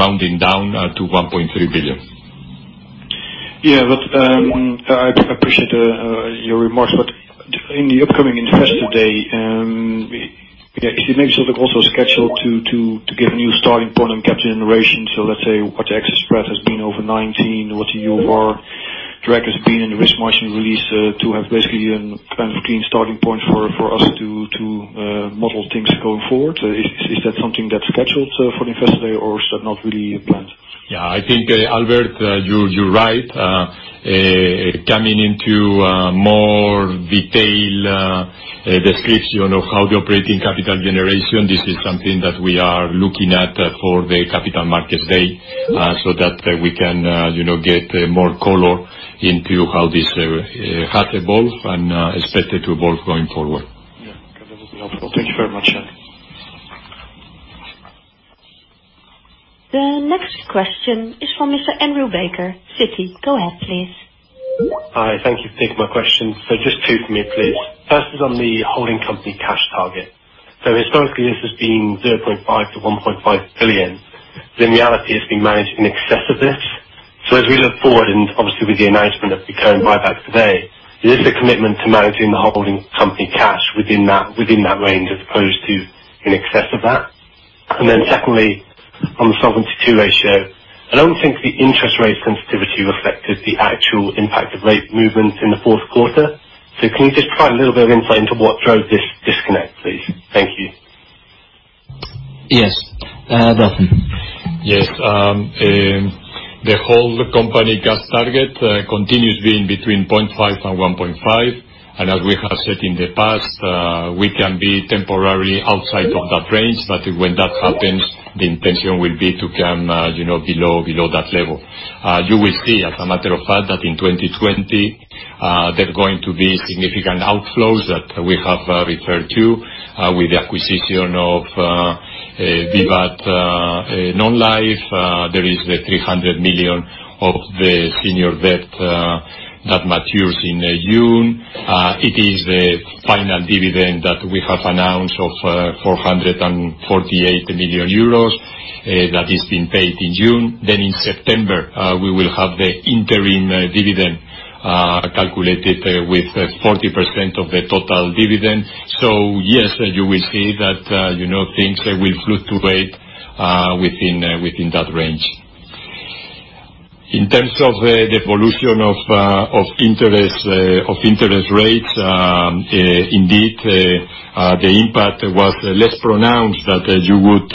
Speaker 3: rounding down to 1.3 billion.
Speaker 9: Yeah. I appreciate your remark. In the upcoming Investor Day, is it maybe sort of also scheduled to give a new starting point on capital generation? Let's say what the excess spread has been over 2019, what the UFR drag has been in the risk margin release, to have basically a kind of clean starting point for us to model things going forward. Is that something that's scheduled for the Investor Day, or is that not really planned?
Speaker 3: Yeah. I think, Albert, you're right. Coming into more detail description of how the operating capital generation, this is something that we are looking at for the Capital Markets Day, so that we can get more color into how this has evolved and expected to evolve going forward.
Speaker 9: Yeah. Okay. That would be helpful. Thank you very much.
Speaker 1: The next question is from Mr. Andrew Baker, Citi. Go ahead, please.
Speaker 10: Hi. Thank you for taking my question. Just two from me, please. First is on the holding company cash target. Historically, this has been 0.5 billion-1.5 billion. The reality has been managed in excess of this. As we look forward, and obviously with the announcement of the current buyback today, is this a commitment to managing the holding company cash within that range as opposed to in excess of that? Secondly, on the Solvency II ratio, I don't think the interest rate sensitivity reflected the actual impact of rate movement in the fourth quarter. Can you just provide a little bit of insight into what drove this disconnect, please? Thank you.
Speaker 2: Yes. Delfin.
Speaker 3: Yes. The holding company cash target continues being between 0.5 billion and 1.5 billion, and as we have said in the past, we can be temporarily outside of that range, but when that happens, the intention will be to come below that level. You will see, as a matter of fact, that in 2020, there are going to be significant outflows that we have referred to, with the acquisition of VIVAT Non-life. There is the 300 million of the senior debt that matures in June. It is the final dividend that we have announced of 448 million euros, that is being paid in June. In September, we will have the interim dividend, calculated with 40% of the total dividend. Yes, you will see that things will fluctuate within that range. In terms of the evolution of interest rates, indeed, the impact was less pronounced that you would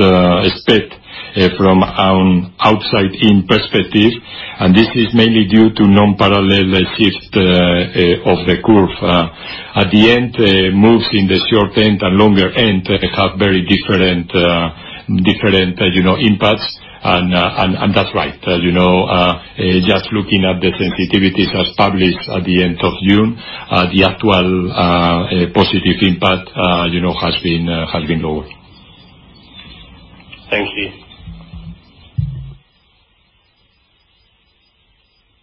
Speaker 3: expect from an outside-in perspective. This is mainly due to non-parallel shift of the curve. At the end, moves in the short end and longer end have very different impacts. That's right. Just looking at the sensitivities as published at the end of June, the actual positive impact has been lower.
Speaker 10: Thank you.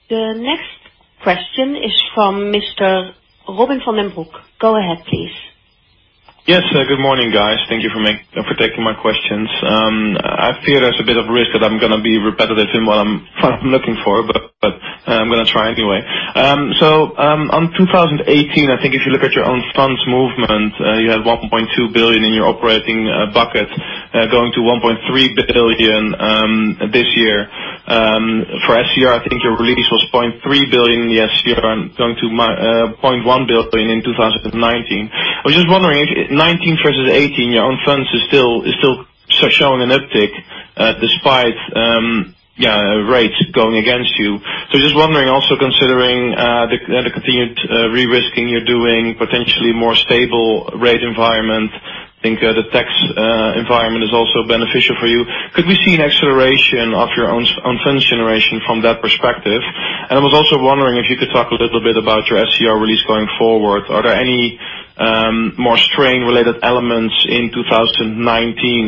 Speaker 1: The next question is from Mr. Robin van den Broek. Go ahead, please.
Speaker 11: Yes. Good morning, guys. Thank you for taking my questions. I fear there's a bit of risk that I'm going to be repetitive in what I'm looking for, but I'm going to try anyway. On 2018, I think if you look at your own funds movement, you had 1.2 billion in your operating bucket, going to 1.3 billion this year. For SCR, I think your release was 0.3 billion last year and going to 0.1 billion in 2019. I was just wondering, if 2019 versus 2018, your own funds is still showing an uptick despite rates going against you. Just wondering also considering the continued risking you're doing, potentially more stable rate environment, I think the tax environment is also beneficial for you, could we see an acceleration of your own funds generation from that perspective? I was also wondering if you could talk a little bit about your SCR release going forward. Are there any more strain-related elements in 2019?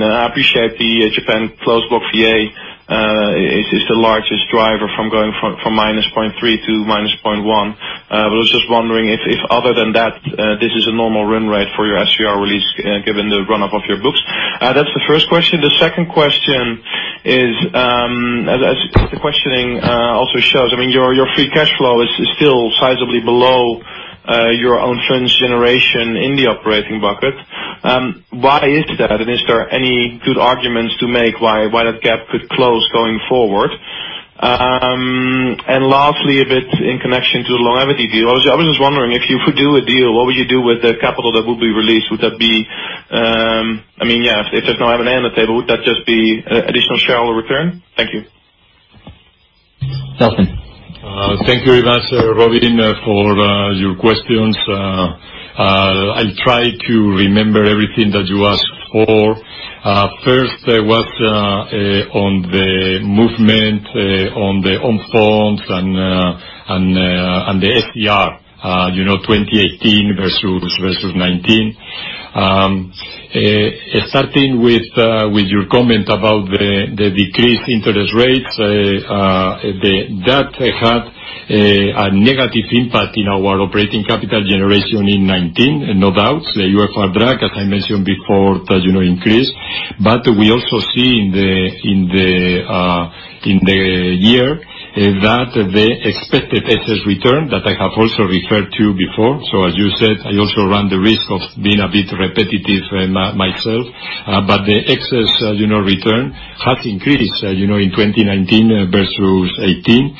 Speaker 11: I appreciate the Japan Closed Block VA is the largest driver from going from -0.3 billion to -0.1 billion. I was just wondering if, other than that, this is a normal run rate for your SCR release, given the run-up of your books. That's the first question. The second question is, as the questioning also shows, your free cash flow is still sizably below your own funds generation in the operating bucket. Why is that? Is there any good arguments to make why that gap could close going forward? Lastly, a bit in connection to the longevity deal, I was just wondering if you could do a deal, what would you do with the capital that would be released? If there's no M&A on the table, would that just be additional shareholder return? Thank you.
Speaker 2: Delfin.
Speaker 3: Thank you very much, Robin, for your questions. I'll try to remember everything that you asked for. First was on the movement on the own funds and the SCR, 2018 versus 2019. Starting with your comment about the decreased interest rates, that had a negative impact in our operating capital generation in 2019, no doubt. The UFR drag, as I mentioned before, does increase. We also see in the year that the expected excess return that I have also referred to before. As you said, I also run the risk of being a bit repetitive myself. The excess return has increased in 2019 versus 2018.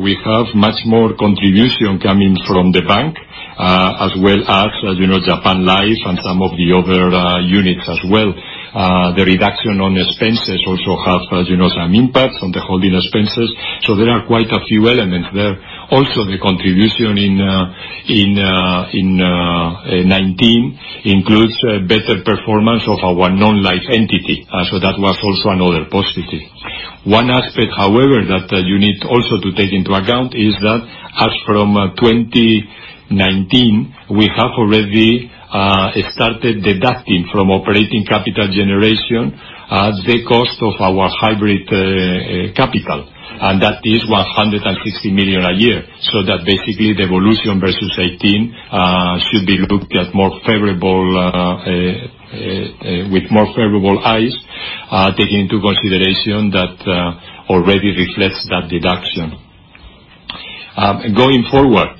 Speaker 3: We have much more contribution coming from the bank, as well as NN Life Japan and some of the other units as well. The reduction on expenses also have some impact on the holding expenses. There are quite a few elements there. The contribution in 2019 includes better performance of our non-life entity. That was also another positive. One aspect, however, that you need also to take into account is that as from 2019, we have already started deducting from operating capital generation, the cost of our hybrid capital, and that is 160 million a year. That basically, the evolution versus 2018 should be looked at with more favorable eyes, taking into consideration that already reflects that deduction. Going forward,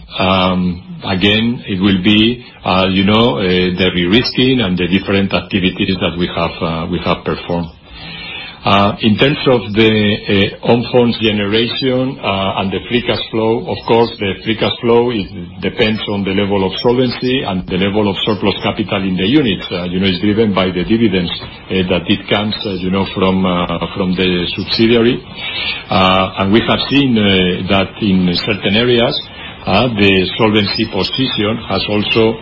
Speaker 3: again, it will be the risk and the different activities that we have performed. In terms of the own funds generation and the free cash flow, of course, the free cash flow depends on the level of solvency and the level of surplus capital in the units. It's driven by the dividends that it comes from the subsidiary. We have seen that in certain areas, the solvency position has also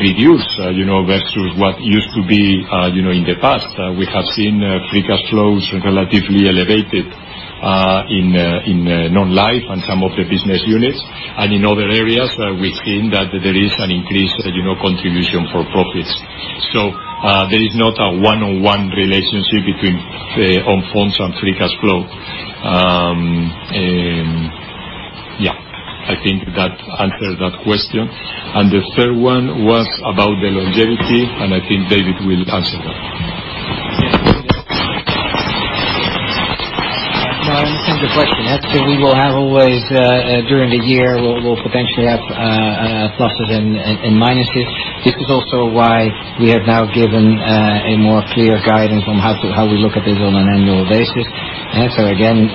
Speaker 3: reduced, versus what used to be in the past. We have seen free cash flows relatively elevated in non-life and some of the business units. In other areas, we've seen that there is an increased contribution for profits. There is not a 1:1 relationship between the own funds and free cash flow. I think that answers that question. The third one was about the longevity, and I think David will answer that.
Speaker 2: Yes. I understand the question. I think we will have always, during the year, we will potentially have pluses and minuses. This is also why we have now given a more clear guidance on how we look at this on an annual basis. Again,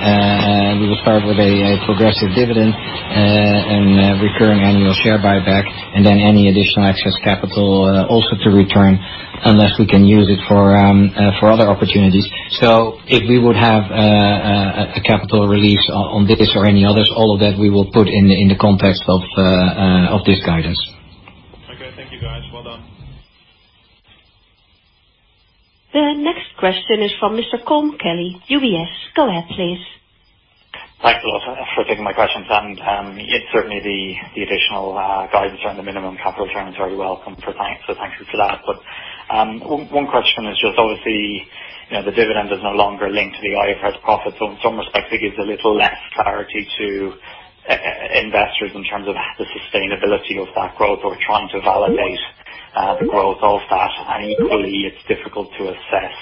Speaker 2: we will start with a progressive dividend and recurring annual share buyback, and then any additional excess capital also to return, unless we can use it for other opportunities. If we would have a capital release on this or any others, all of that we will put in the context of this guidance.
Speaker 11: Okay. Thank you, guys. Well done.
Speaker 1: The next question is from Mr. Colm Kelly, UBS. Go ahead, please.
Speaker 12: Thanks a lot for taking my questions. Yes, certainly the additional guidance around the minimum capital return is very welcome, thank you for that. One question is just, obviously, the dividend is no longer linked to the IFRS profits. In some respects, it gives a little less clarity to investors in terms of the sustainability of that growth or trying to validate the growth of that. Equally, it's difficult to assess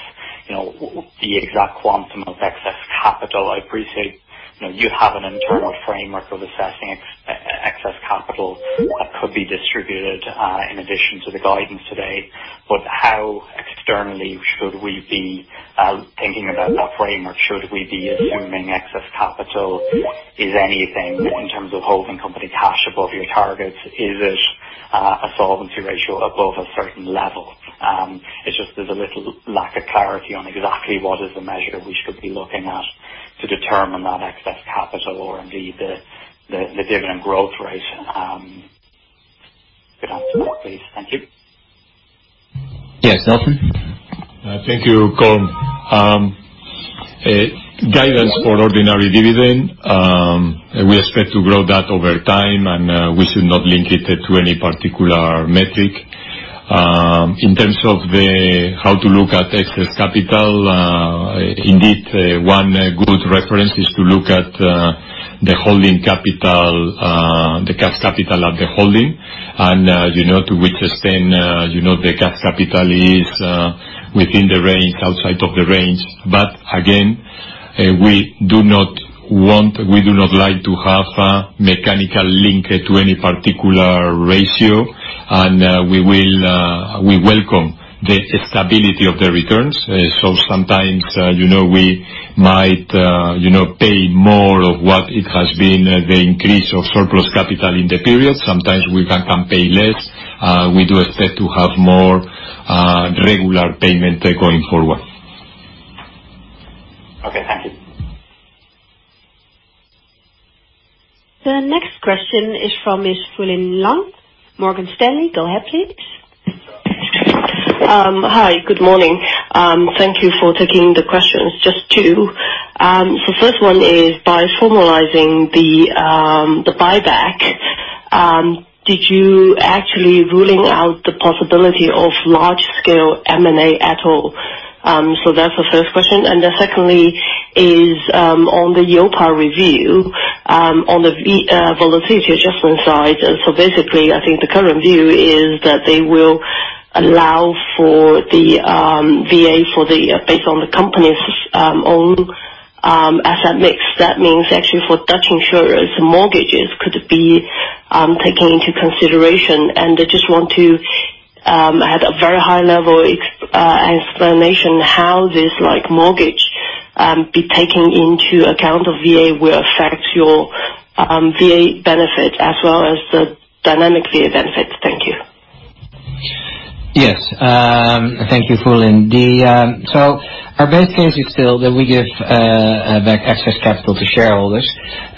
Speaker 12: the exact quantum of excess capital. I appreciate you have an internal framework of assessing excess capital that could be distributed in addition to the guidance today. How externally should we be thinking about that framework? Should we be assuming excess capital? Is anything in terms of holding company cash above your targets? Is it a solvency ratio above a certain level? It's just there's a little lack of clarity on exactly what is the measure we should be looking at to determine that excess capital or indeed the dividend growth rate. If you could answer that, please. Thank you.
Speaker 2: Yes, Delfin.
Speaker 3: Thank you, Colm. Guidance for ordinary dividend, we expect to grow that over time, and we should not link it to any particular metric. In terms of how to look at excess capital, indeed, one good reference is to look at the holding capital, the cash capital at the holding, and to which extent the cash capital is within the range, outside of the range. Again, we do not like to have a mechanical link to any particular ratio, and we welcome the stability of the returns. Sometimes, we might pay more of what it has been, the increase of surplus capital in the period. Sometimes we can pay less. We do expect to have more regular payment going forward.
Speaker 12: Okay, thank you.
Speaker 1: The next question is from Miss Fulin Liang, Morgan Stanley. Go ahead, please.
Speaker 13: Hi. Good morning. Thank you for taking the questions. Just two. The first one is, by formalizing the buyback, did you actually ruling out the possibility of large scale M&A at all? That's the first question. Secondly is, on the EIOPA review, on the volatility adjustment side. Basically, I think the current view is that they will allow for the VA based on the company's own asset mix. That means actually for Dutch insurers, mortgages could be taken into consideration, and I just want to, at a very high level explanation, how this mortgage be taken into account of VA will affect your VA benefit as well as the dynamic VA benefits. Thank you.
Speaker 2: Yes. Thank you, Fulin. Our base case is still that we give back excess capital to shareholders.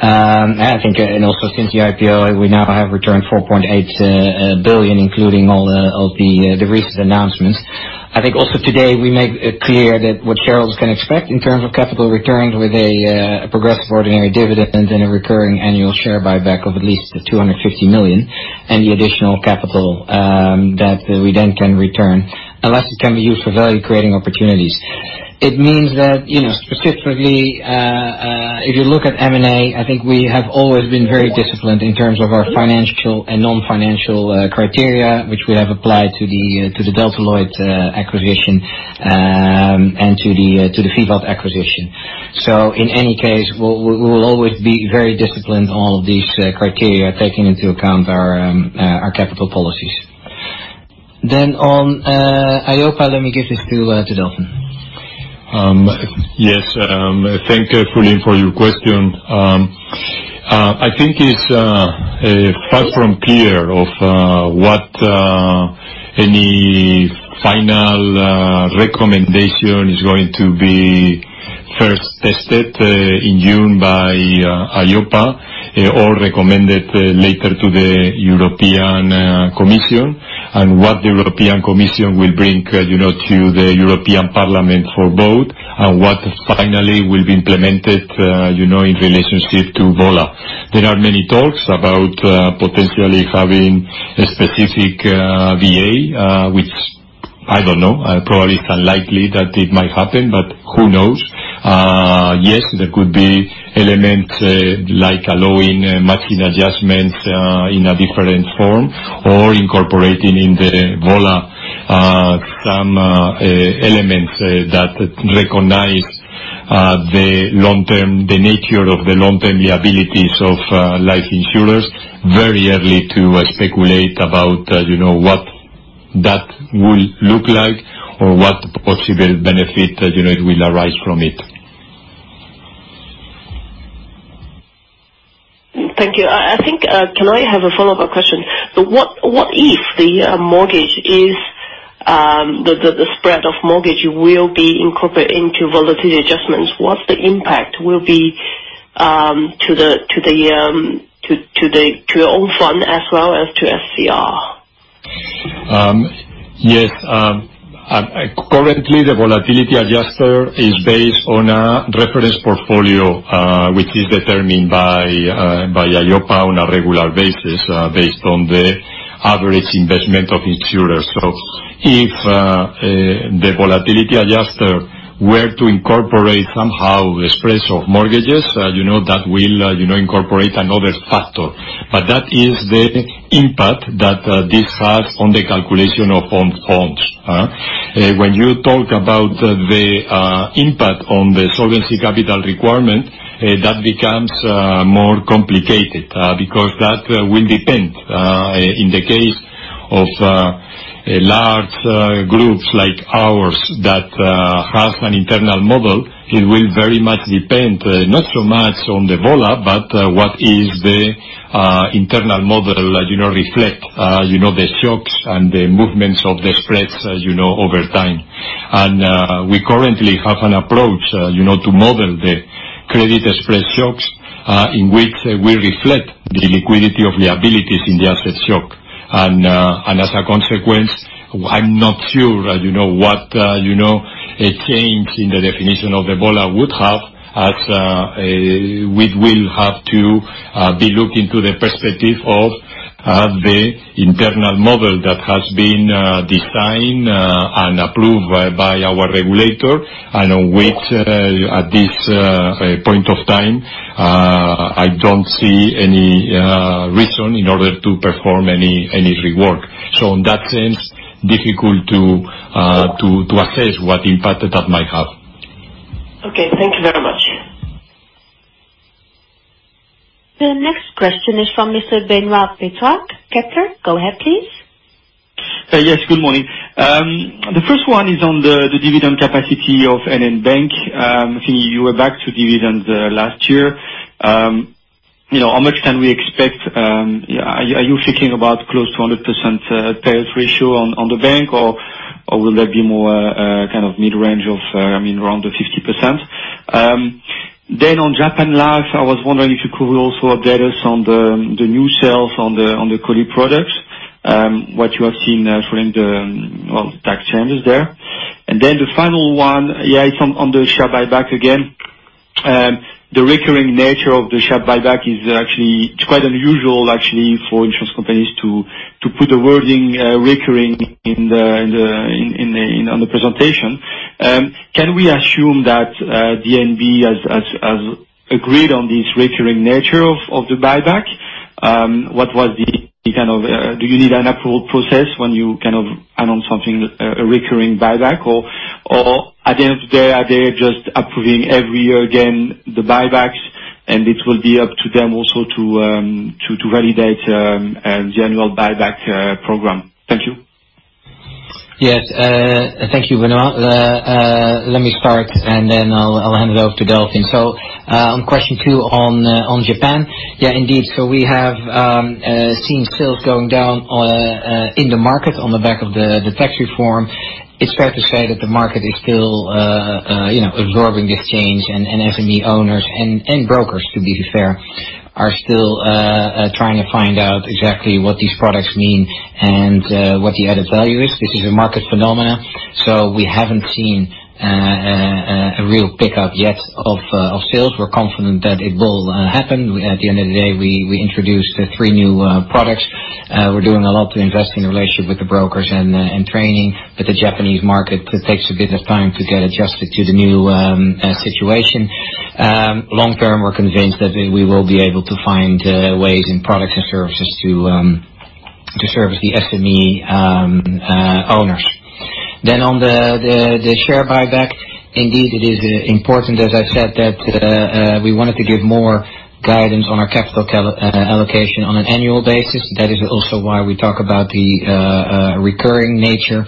Speaker 2: I think, and also since the IPO, we now have returned 4.8 billion, including all the recent announcements. I think also today we made it clear that what shareholders can expect in terms of capital returns with a progressive ordinary dividend and a recurring annual share buyback of at least 250 million, and the additional capital that we then can return, unless it can be used for value-creating opportunities. It means that specifically, if you look at M&A, I think we have always been very disciplined in terms of our financial and non-financial criteria, which we have applied to the Delta Lloyd acquisition, and to the VIVAT acquisition. In any case, we will always be very disciplined on all of these criteria, taking into account our capital policies. On EIOPA, let me guess it's to you, Delfin.
Speaker 3: Yes. Thank you, Fulin, for your question. I think it is far from clear of what any final recommendation is going to be first tested in June by EIOPA or recommended later to the European Commission, and what the European Commission will bring to the European Parliament for vote and what finally will be implemented in relationship to VA. There are many talks about potentially having a specific VA, which, I don't know, probably it is unlikely that it might happen, but who knows? Yes, there could be elements like allowing matching adjustments in a different form or incorporating in the VA some elements that recognize the nature of the long-term liabilities of life insurers. Very early to speculate about what that will look like or what possible benefit that it will arise from it.
Speaker 13: Thank you. Can I have a follow-up question? What if the spread of mortgage will be incorporated into volatility adjustments, what the impact will be to your own fund as well as to SCR?
Speaker 3: Yes. Currently, the volatility adjuster is based on a reference portfolio, which is determined by EIOPA on a regular basis based on the average investment of insurers. If the volatility adjuster were to incorporate somehow the spreads of mortgages, that will incorporate another factor. That is the impact that this has on the calculation of own funds. When you talk about the impact on the solvency capital requirement, that becomes more complicated because that will depend. In the case of large groups like ours that have an internal model, it will very much depend, not so much on the VA, but what is the internal model reflect the shocks and the movements of the spreads over time. We currently have an approach to model the credit spread shocks, in which we reflect the liquidity of liabilities in the asset shock. As a consequence, I'm not sure what a change in the definition of the VA would have, as we will have to be looking to the perspective of the internal model that has been designed and approved by our regulator, and which, at this point of time, I don't see any reason in order to perform any rework. In that sense, difficult to assess what impact that might have.
Speaker 13: Okay. Thank you very much.
Speaker 1: The next question is from Mr. Benoît Pétrarque, Kepler. Go ahead, please.
Speaker 14: Yes. Good morning. The first one is on the dividend capacity of NN Bank. I think you were back to dividends last year. How much can we expect? Are you thinking about close to 100% payout ratio on the bank, or will there be more mid-range of around the 50%? On NN Life Japan, I was wondering if you could also update us on the new sales on the COLI products, what you have seen following the tax changes there. The final one, yeah, it's on the share buyback again. The recurring nature of the share buyback, it's quite unusual, actually, for insurance companies to put the wording "recurring" on the presentation. Can we assume that DNB has agreed on this recurring nature of the buyback? Do you need an approval process when you announce something, a recurring buyback? At the end of the day, are they just approving every year again, the buybacks, and it will be up to them also to validate the annual buyback program? Thank you.
Speaker 2: Yes. Thank you, Benoît. Let me start, and then I'll hand it over to Delfin. On question two on NN Life Japan. Indeed. We have seen sales going down in the market on the back of the tax reform. It's fair to say that the market is still absorbing this change and SME owners and brokers, to be fair, are still trying to find out exactly what these products mean and what the added value is. This is a market phenomena. We haven't seen a real pick-up yet of sales. We're confident that it will happen. At the end of the day, we introduced three new products. We're doing a lot to invest in relationship with the brokers and training. The Japanese market takes a bit of time to get adjusted to the new situation. Long-term, we're convinced that we will be able to find ways in products and services to serve the SME owners. On the share buyback, indeed, it is important, as I said, that we wanted to give more guidance on our capital allocation on an annual basis. That is also why we talk about the recurring nature.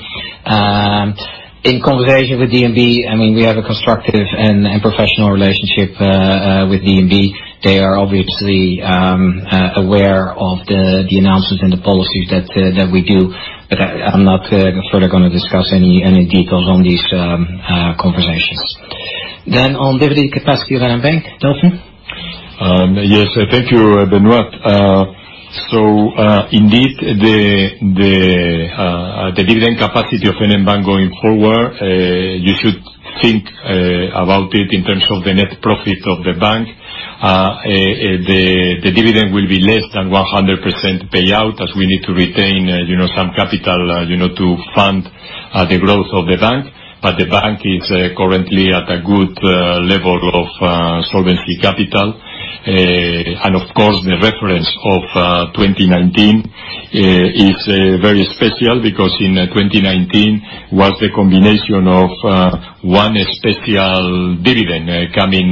Speaker 2: In conversation with DNB, we have a constructive and professional relationship with DNB. They are obviously aware of the announcements and the policies that we do, but I'm not further going to discuss any details on these conversations. On dividend capacity of NN Bank. Delfin?
Speaker 3: Yes. Thank you, Benoît. Indeed, the dividend capacity of NN Bank going forward, you should think about it in terms of the net profit of the bank. The dividend will be less than 100% payout, as we need to retain some capital to fund the growth of the bank. The bank is currently at a good level of solvency capital. Of course, the reference of 2019 is very special, because in 2019 was the combination of one special dividend coming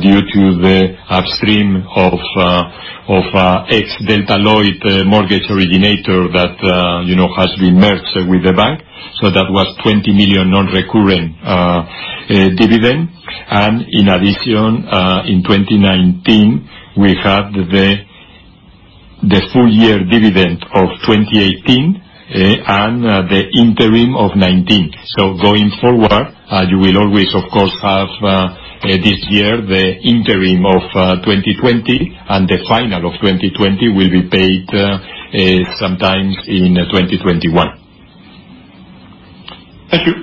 Speaker 3: due to the upstream of ex Delta Lloyd mortgage originator that has been merged with the bank. That was 20 million non-recurring dividend. In addition, in 2019, we had the full year dividend of 2018 and the interim of 2019. Going forward, you will always, of course, have this year the interim of 2020, and the final of 2020 will be paid sometime in 2021.
Speaker 14: Thank you.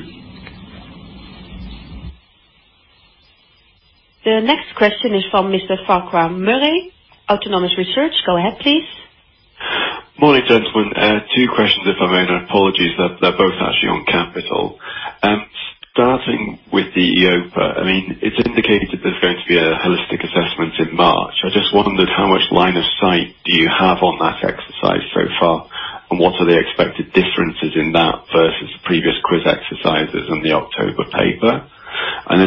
Speaker 1: The next question is from Mr. Farquhar Murray, Autonomous Research. Go ahead, please.
Speaker 15: Morning, gentlemen. Two questions, if I may, and apologies, they're both actually on capital. Starting with the EIOPA. It's indicated there's going to be a holistic assessment in March. I just wondered how much line of sight do you have on that exercise so far, and what are the expected differences in that versus previous QIS exercises in the October paper?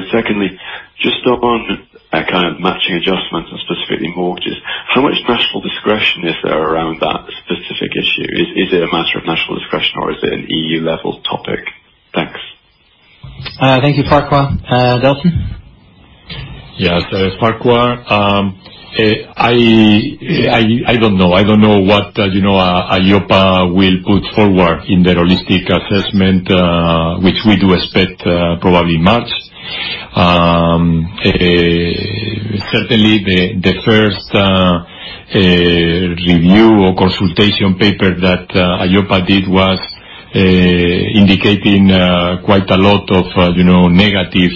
Speaker 15: Secondly, just on a kind of matching adjustment and specifically mortgages, how much national discretion is there around that specific issue? Is it a matter of national discretion or is it an EU-level topic? Thanks.
Speaker 2: Thank you, Farquhar. Delfin?
Speaker 3: Yes, Farquhar. I don't know. I don't know what EIOPA will put forward in their holistic assessment, which we do expect probably March. Certainly, the first review or consultation paper that EIOPA did was indicating quite a lot of negative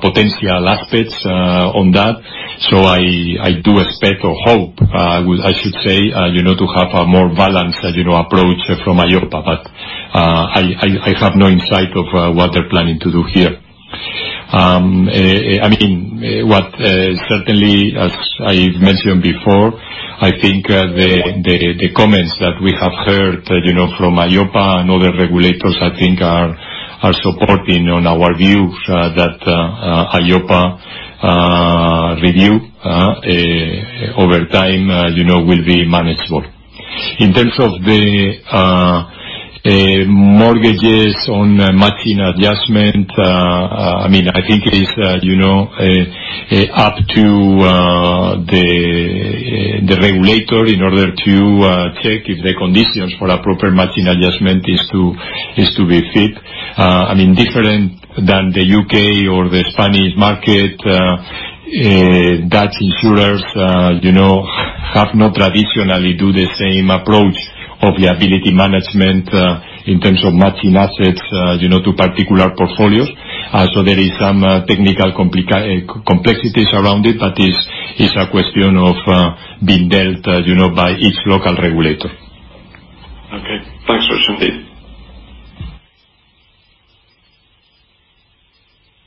Speaker 3: potential aspects on that. I do expect or hope, I should say, to have a more balanced approach from EIOPA. I have no insight of what they're planning to do here. Certainly, as I mentioned before, I think the comments that we have heard from EIOPA and other regulators, I think are supporting on our view that EIOPA review over time will be manageable. In terms of the mortgages on matching adjustment, I think it is up to the regulator in order to check if the conditions for a proper matching adjustment is to be fit. Different than the U.K. or the Spanish market, Dutch insurers have not traditionally done the same approach of liability management in terms of matching assets to particular portfolios. There are some technical complexities around it, but it's a question of being dealt by each local regulator.
Speaker 15: Okay. Thanks very much indeed.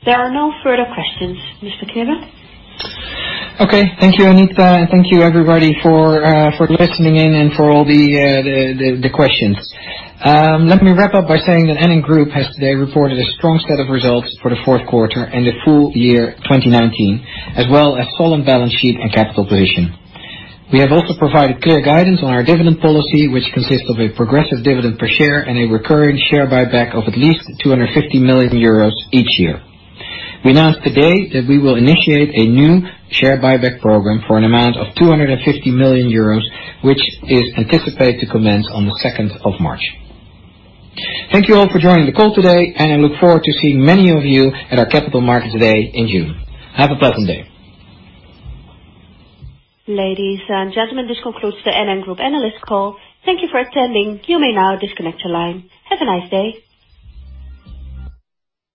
Speaker 1: There are no further questions. Mr. Knibbe?
Speaker 2: Okay. Thank you, Anita, and thank you, everybody, for listening in and for all the questions. Let me wrap up by saying that NN Group has today reported a strong set of results for the fourth quarter and the full year 2019, as well as solid balance sheet and capital position. We have also provided clear guidance on our dividend policy, which consists of a progressive dividend per share and a recurring share buyback of at least 250 million euros each year. We announced today that we will initiate a new share buyback program for an amount of 250 million euros, which is anticipated to commence on the 2nd of March. Thank you all for joining the call today, and I look forward to seeing many of you at our Capital Markets Day in June. Have a pleasant day.
Speaker 1: Ladies and gentlemen, this concludes the NN Group analyst call. Thank you for attending. You may now disconnect your line. Have a nice day.